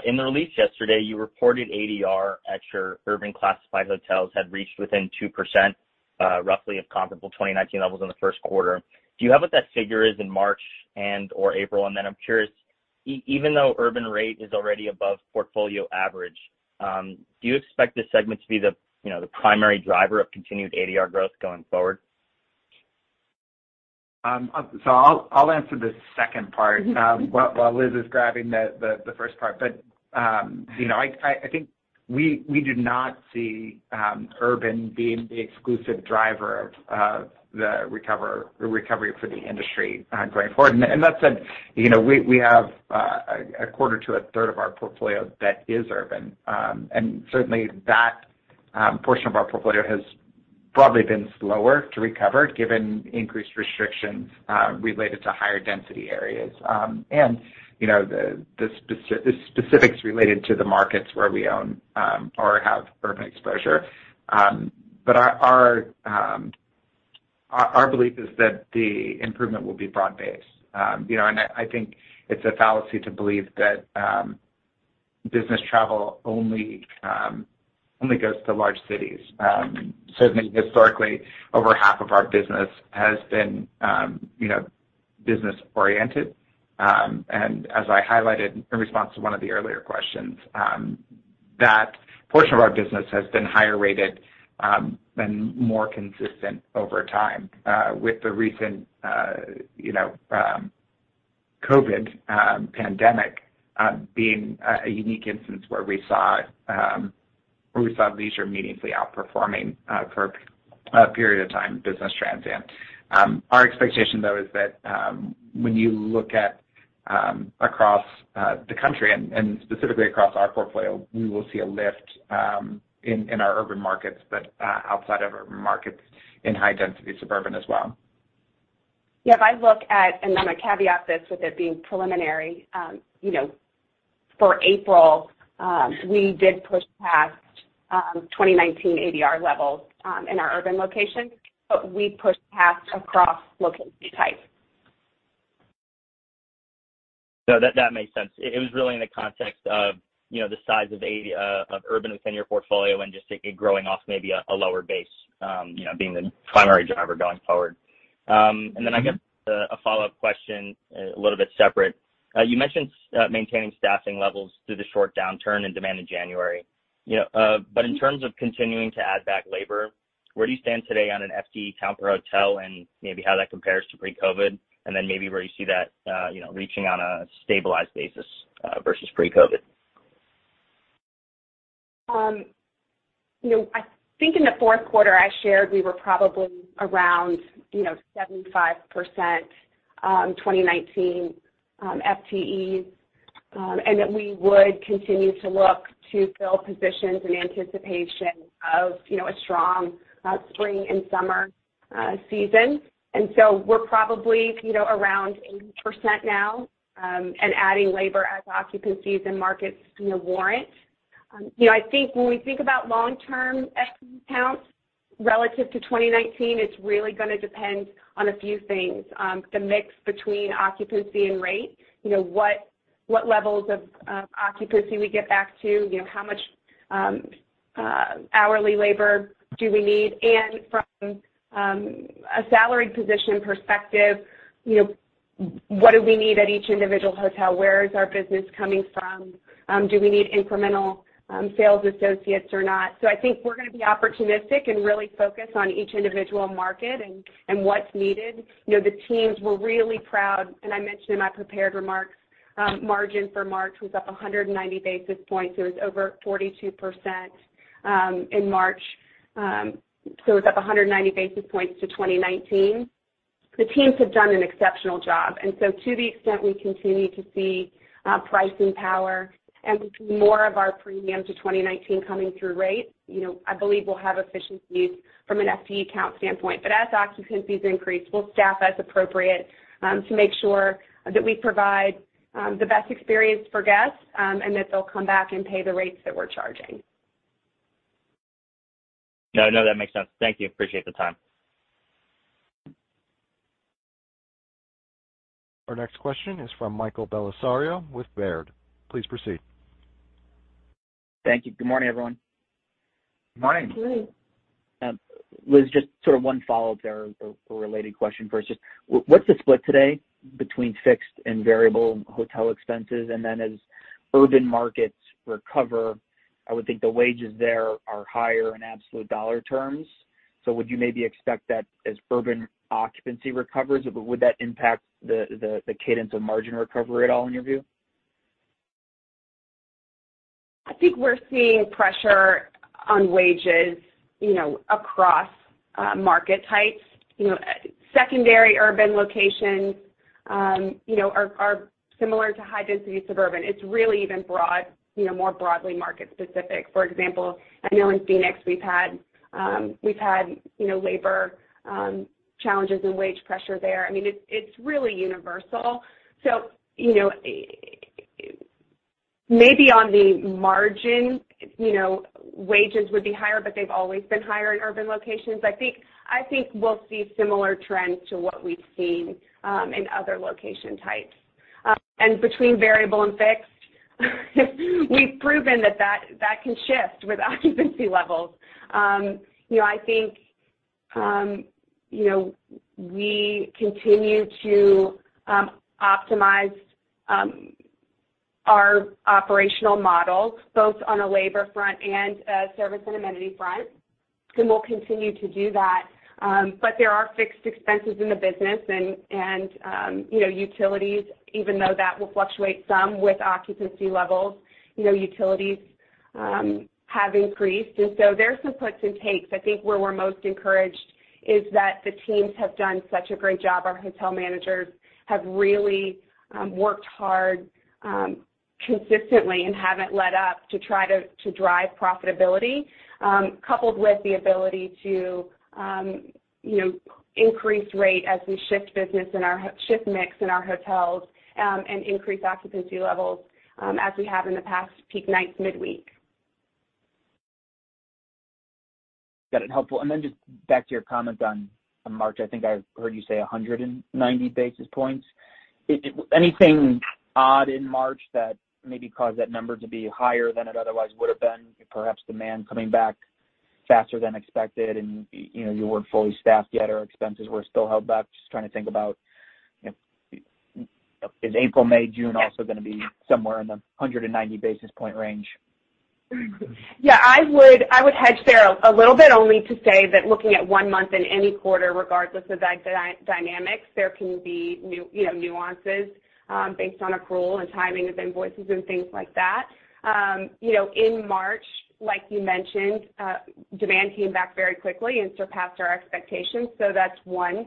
In the release yesterday, you reported ADR at your urban classified hotels had reached within 2%, roughly of comparable 2019 levels in the first quarter. Do you have what that figure is in March and/or April? I'm curious, even though urban rate is already above portfolio average, do you expect this segment to be the, you know, the primary driver of continued ADR growth going forward? I'll answer the second part while Liz is grabbing the first part. You know, I think we do not see urban being the exclusive driver of the recovery for the industry going forward. That said, you know, we have a quarter to a third of our portfolio that is urban. Certainly that portion of our portfolio has probably been slower to recover given increased restrictions related to higher density areas, and you know, the specifics related to the markets where we own or have urban exposure. Our belief is that the improvement will be broad-based. You know, I think it's a fallacy to believe that business travel only goes to large cities. Certainly historically, over half of our business has been, you know, business-oriented. As I highlighted in response to one of the earlier questions, that portion of our business has been higher rated, and more consistent over time, with the recent, you know, COVID pandemic, being a unique instance where we saw leisure meaningfully outperforming, for a period of time, business transient. Our expectation, though, is that, when you look across the country and specifically across our portfolio, we will see a lift, in our urban markets, but outside of urban markets in high-density suburban as well. Yeah, if I look at, and I'm gonna caveat this with it being preliminary, you know, for April, we did push past 2019 ADR levels in our urban locations, but we pushed past across location types. No, that makes sense. It was really in the context of, you know, the size of urban within your portfolio and just it growing off maybe a lower base, you know, being the primary driver going forward. Then I guess a follow-up question, a little bit separate. You mentioned maintaining staffing levels through the short downturn and demand in January, you know, but in terms of continuing to add back labor, where do you stand today on an FTE count per hotel and maybe how that compares to pre-COVID? Maybe where you see that, you know, reaching on a stabilized basis, versus pre-COVID. You know, I think in the fourth quarter, I shared we were probably around, you know, 75% 2019 FTEs, and that we would continue to look to fill positions in anticipation of, you know, a strong spring and summer season. We're probably, you know, around 80% now, and adding labor as occupancies and markets, you know, warrant. You know, I think when we think about long-term FTE counts relative to 2019, it's really gonna depend on a few things. The mix between occupancy and rate, you know, what levels of occupancy we get back to, you know, how much hourly labor do we need? From a salary position perspective, you know, what do we need at each individual hotel? Where is our business coming from? Do we need incremental sales associates or not? I think we're gonna be opportunistic and really focus on each individual market and what's needed. You know, the teams were really proud, and I mentioned in my prepared remarks, margin for March was up 190 basis points. It was over 42%, in March. It's up 190 basis points to 2019. The teams have done an exceptional job. To the extent we continue to see pricing power and more of our premium to 2019 coming through rate, you know, I believe we'll have efficiencies from an FTE count standpoint. As occupancies increase, we'll staff as appropriate, to make sure that we provide the best experience for guests, and that they'll come back and pay the rates that we're charging. No, no, that makes sense. Thank you. Appreciate the time. Our next question is from Michael Bellisario with Baird. Please proceed. Thank you. Good morning, everyone. Morning. Good morning. Liz, just sort of one follow-up there or a related question for us. Just what's the split today between fixed and variable hotel expenses? Then as urban markets recover, I would think the wages there are higher in absolute dollar terms. Would you maybe expect that as urban occupancy recovers, would that impact the cadence of margin recovery at all in your view? I think we're seeing pressure on wages, you know, across market types. You know, secondary urban locations are similar to high density suburban. It's really even broader, you know, more broadly market specific. For example, I know in Phoenix we've had labor challenges and wage pressure there. I mean, it's really universal. You know, maybe on the margin, you know, wages would be higher, but they've always been higher in urban locations. I think we'll see similar trends to what we've seen in other location types. Between variable and fixed, we've proven that can shift with occupancy levels. You know, I think, you know, we continue to optimize our operational models both on a labor front and a service and amenity front, and we'll continue to do that. There are fixed expenses in the business and, you know, utilities, even though that will fluctuate some with occupancy levels, you know, utilities have increased, and so there's some puts and takes. I think where we're most encouraged is that the teams have done such a great job. Our hotel managers have really worked hard consistently and haven't let up to drive profitability coupled with the ability to, you know, increase rate as we shift mix in our hotels and increase occupancy levels as we have in the past, peak nights midweek. Got it. Helpful. Then just back to your comment on March. I think I heard you say 190 basis points. Is it anything odd in March that maybe caused that number to be higher than it otherwise would have been? Perhaps demand coming back faster than expected and, you know, you weren't fully staffed yet, or expenses were still held back. Just trying to think about, you know, is April, May, June also gonna be somewhere in the 190 basis point range? Yeah, I would hedge there a little bit only to say that looking at one month in any quarter, regardless of the dynamics, there can be new, you know, nuances, based on accrual and timing of invoices and things like that. You know, in March, like you mentioned, demand came back very quickly and surpassed our expectations, so that's one.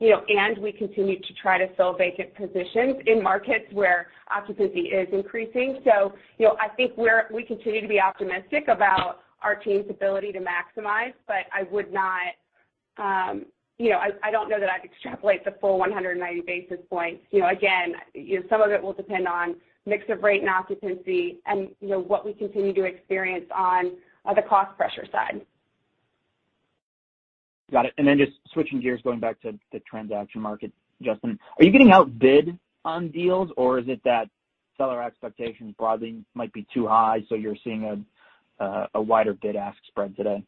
You know, we continue to try to fill vacant positions in markets where occupancy is increasing. You know, I think we continue to be optimistic about our team's ability to maximize, but I would not. I don't know that I'd extrapolate the full 190 basis points. You know, again, you know, some of it will depend on mix of rate and occupancy and, you know, what we continue to experience on the cost pressure side. Got it. Just switching gears, going back to the transaction market, Justin, are you getting outbid on deals, or is it that seller expectations broadly might be too high, so you're seeing a wider bid-ask spread today?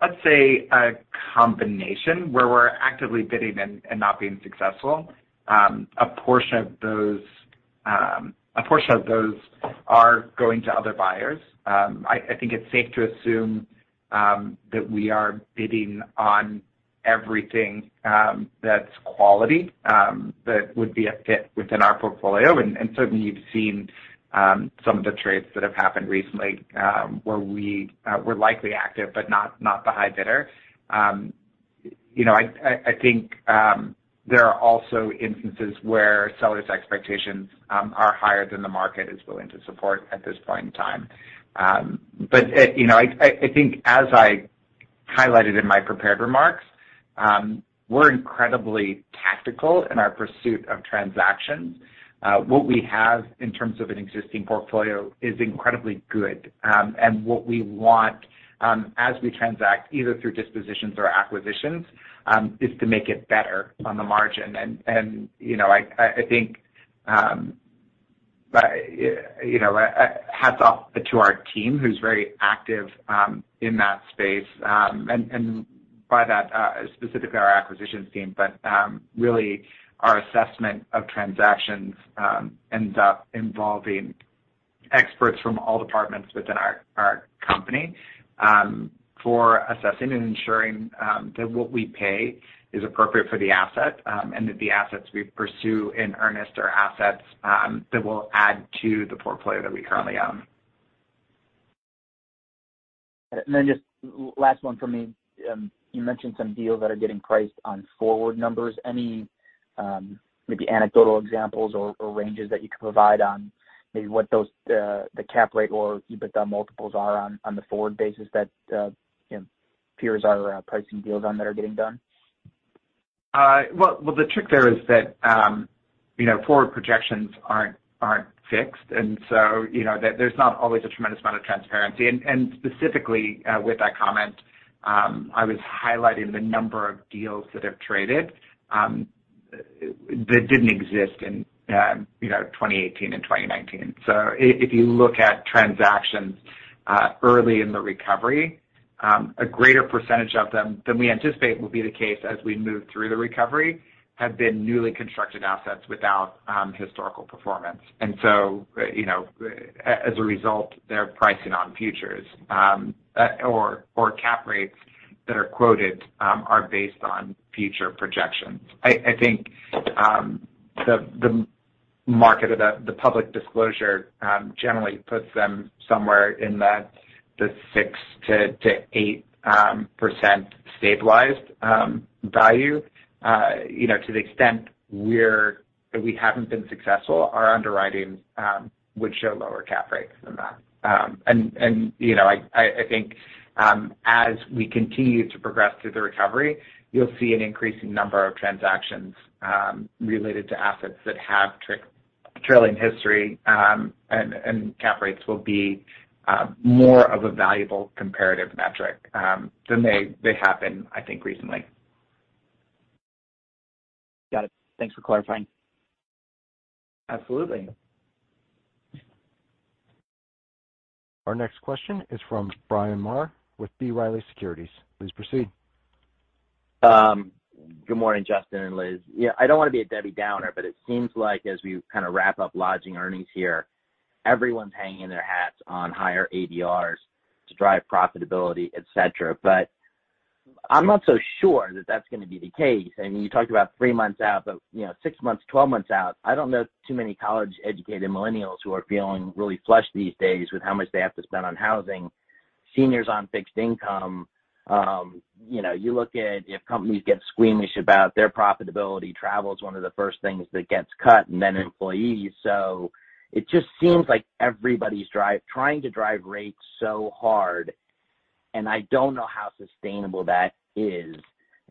Let's say a combination where we're actively bidding and not being successful. A portion of those are going to other buyers. I think it's safe to assume that we are bidding on everything that's quality that would be a fit within our portfolio. Certainly you've seen some of the trades that have happened recently where we're likely active, but not the high bidder. You know, I think there are also instances where sellers' expectations are higher than the market is willing to support at this point in time. You know, I think as I highlighted in my prepared remarks, we're incredibly tactical in our pursuit of transactions. What we have in terms of an existing portfolio is incredibly good. What we want, as we transact, either through dispositions or acquisitions, is to make it better on the margin. You know, I think, you know, hats off to our team who is very active in that space. By that, specifically our acquisitions team, but really our assessment of transactions ends up involving experts from all departments within our company for assessing and ensuring that what we pay is appropriate for the asset, and that the assets we pursue in earnest are assets that will add to the portfolio that we currently own. Just last one from me. You mentioned some deals that are getting priced on forward numbers. Any maybe anecdotal examples or ranges that you can provide on maybe what the cap rate or EBITDA multiples are on the forward basis that you know peers are pricing deals on that are getting done? Well, the trick there is that, you know, forward projections aren't fixed, and so, you know, there's not always a tremendous amount of transparency. Specifically, with that comment, I was highlighting the number of deals that have traded that didn't exist in, you know, 2018 and 2019. If you look at transactions early in the recovery, a greater percentage of them than we anticipate will be the case as we move through the recovery, have been newly constructed assets without historical performance. You know, as a result, they're pricing on futures or cap rates that are quoted are based on future projections. I think the market or the public disclosure generally puts them somewhere in the 6%-8% stabilized value. You know, to the extent we haven't been successful, our underwriting would show lower cap rates than that. You know, I think as we continue to progress through the recovery, you'll see an increasing number of transactions related to assets that have trailing history, and cap rates will be more of a valuable comparative metric than they have been, I think, recently. Got it. Thanks for clarifying. Absolutely. Our next question is from Bryan Maher with B. Riley Securities. Please proceed. Good morning, Justin and Liz. Yeah, I don't wanna be a Debbie Downer, but it seems like as we kind of wrap up lodging earnings here, everyone's hanging their hats on higher ADRs to drive profitability, et cetera. I'm not so sure that that's gonna be the case. I mean, you talked about three months out, but, you know, six months, 12 months out, I don't know too many college-educated millennials who are feeling really flushed these days with how much they have to spend on housing. Seniors on fixed income, you know, you look at if companies get squeamish about their profitability, travel is one of the first things that gets cut and then employees. It just seems like everybody's trying to drive rates so hard, and I don't know how sustainable that is.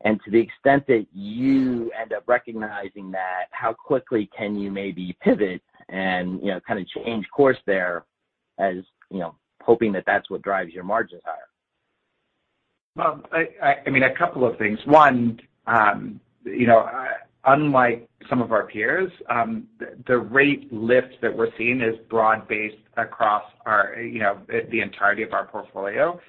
To the extent that you end up recognizing that, how quickly can you maybe pivot and, you know, kind of change course there as, you know, hoping that that's what drives your margins higher? Well, I mean, a couple of things. One, you know, unlike some of our peers, the rate lift that we're seeing is broad-based across our, you know, the entirety of our portfolio.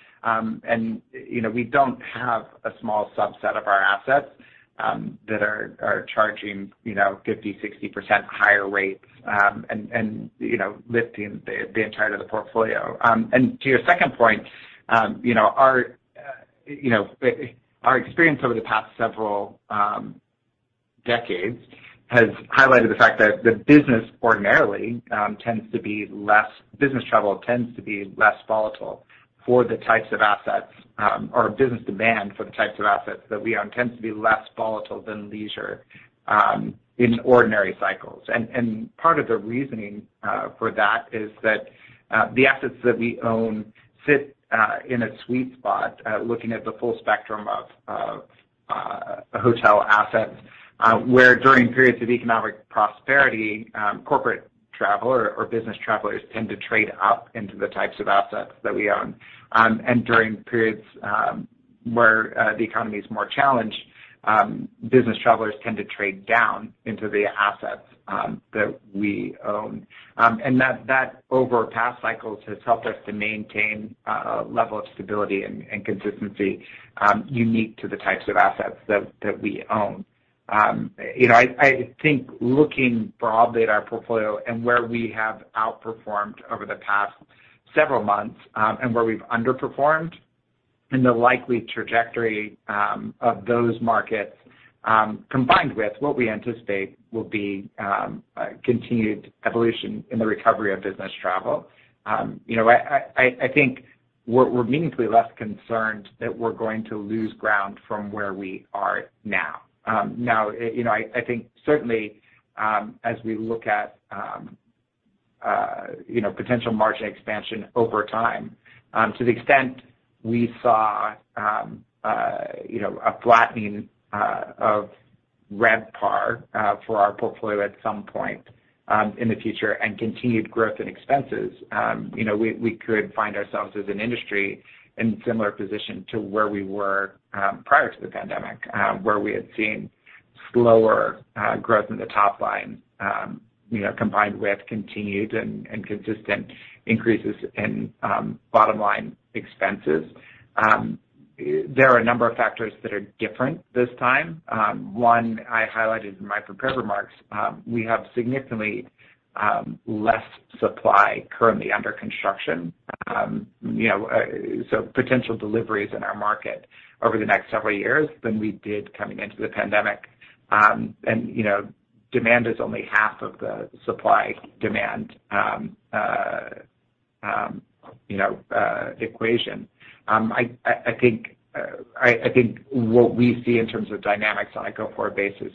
We don't have a small subset of our assets that are charging, you know, 50%, 60% higher rates, and, you know, lifting the entirety of the portfolio. To your second point, you know, our experience over the past several decades has highlighted the fact that business travel tends to be less volatile for the types of assets, or business demand for the types of assets that we own tends to be less volatile than leisure in ordinary cycles. Part of the reasoning for that is that the assets that we own sit in a sweet spot looking at the full spectrum of hotel assets, where during periods of economic prosperity, corporate travel or business travelers tend to trade up into the types of assets that we own. During periods where the economy is more challenged, business travelers tend to trade down into the assets that we own. That over past cycles has helped us to maintain a level of stability and consistency unique to the types of assets that we own. You know, I think looking broadly at our portfolio and where we have outperformed over the past several months, and where we've underperformed and the likely trajectory of those markets, combined with what we anticipate will be a continued evolution in the recovery of business travel, you know, I think we're meaningfully less concerned that we're going to lose ground from where we are now. Now, you know, I think certainly, as we look at, you know, potential margin expansion over time, to the extent we saw, you know, a flattening of RevPAR for our portfolio at some point in the future and continued growth in expenses, you know, we could find ourselves as an industry in similar position to where we were prior to the pandemic, where we had seen slower growth in the top line, you know, combined with continued and consistent increases in bottom line expenses. There are a number of factors that are different this time. One I highlighted in my prepared remarks, we have significantly less supply currently under construction, you know, so potential deliveries in our market over the next several years than we did coming into the pandemic. Demand is only half of the supply-demand equation. I think what we see in terms of dynamics on a go-forward basis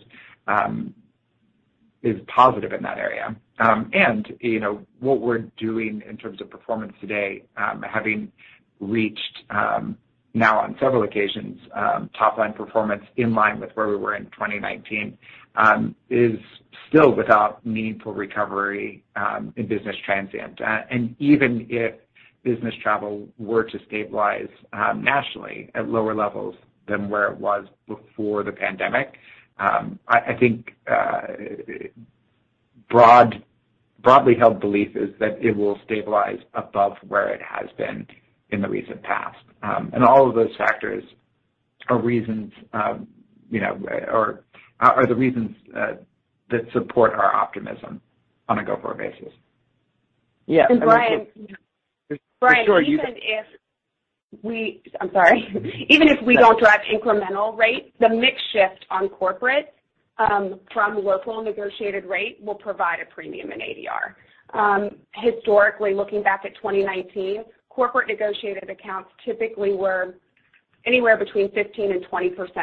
is positive in that area. What we're doing in terms of performance today, having reached now on several occasions top line performance in line with where we were in 2019, is still without meaningful recovery in business transient. Even if business travel were to stabilize nationally at lower levels than where it was before the pandemic, I think broadly held belief is that it will stabilize above where it has been in the recent past. All of those factors are reasons, you know, or are the reasons that support our optimism on a go-forward basis. Yeah. Bryan. For sure. Bryan, even if we don't drive incremental rates, the mix shift on corporate from local negotiated rate will provide a premium in ADR. Historically, looking back at 2019, corporate negotiated accounts typically were anywhere between 15%-20%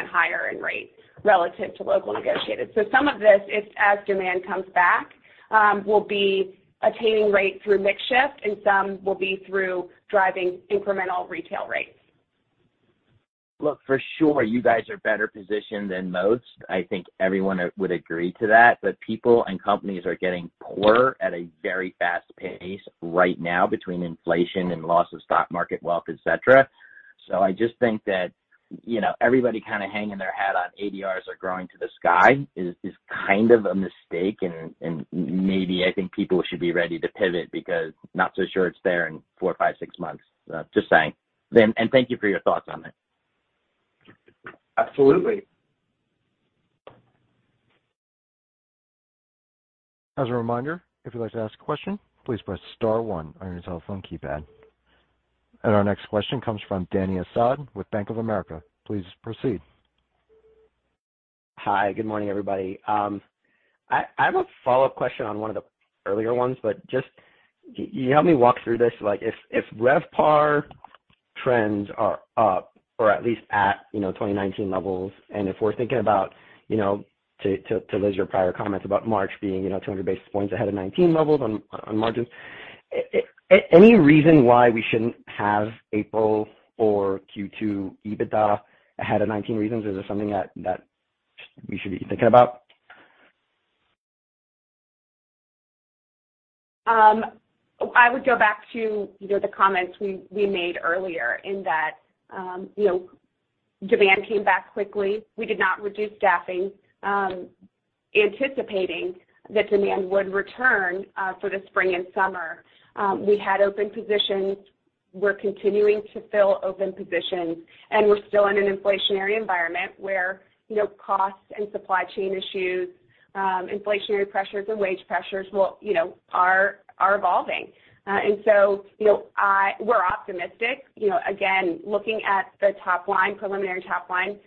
higher in rates relative to local negotiated. Some of this is, as demand comes back, will be attaining rate through mix shift, and some will be through driving incremental retail rates. Look, for sure, you guys are better positioned than most. I think everyone would agree to that. People and companies are getting poor at a very fast pace right now between inflation and loss of stock market wealth, et cetera. I just think that, you know, everybody kind of hanging their hat on ADRs are growing to the sky is kind of a mistake and maybe I think people should be ready to pivot because not so sure it's there in four, five, six months. Just saying. Thank you for your thoughts on it. Absolutely. As a reminder, if you'd like to ask a question, please press star one on your telephone keypad. Our next question comes from Dany Asad with Bank of America. Please proceed. Hi. Good morning, everybody. I have a follow-up question on one of the earlier ones, but just can you help me walk through this? Like, if RevPAR trends are up or at least at, you know, 2019 levels, and if we're thinking about, you know, to Liz your prior comments about March being, you know, 200 basis points ahead of 2019 levels on margins, any reason why we shouldn't have April or Q2 EBITDA ahead of 2019 levels? Is there something that we should be thinking about? I would go back to, you know, the comments we made earlier in that, you know, demand came back quickly. We did not reduce staffing, anticipating that demand would return, for the spring and summer. We had open positions. We're continuing to fill open positions, and we're still in an inflationary environment where, you know, costs and supply chain issues, inflationary pressures and wage pressures will, you know, are evolving. We're optimistic. You know, again, looking at the top line, preliminary top line,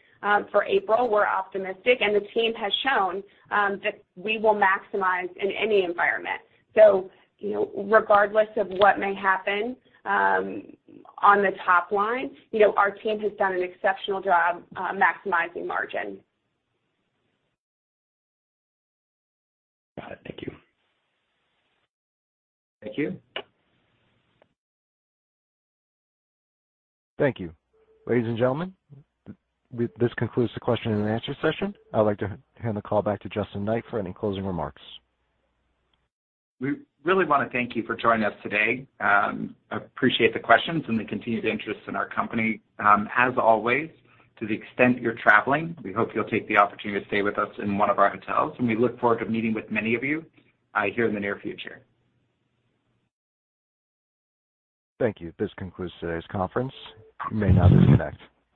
for April, we're optimistic, and the team has shown, that we will maximize in any environment. You know, regardless of what may happen, on the top line, you know, our team has done an exceptional job, maximizing margin. Got it. Thank you. Thank you. Thank you. Ladies and gentlemen, this concludes the question and answer session. I would like to hand the call back to Justin Knight for any closing remarks. We really wanna thank you for joining us today. Appreciate the questions and the continued interest in our company. As always, to the extent you're traveling, we hope you'll take the opportunity to stay with us in one of our hotels, and we look forward to meeting with many of you, here in the near future. Thank you. This concludes today's conference. You may now disconnect.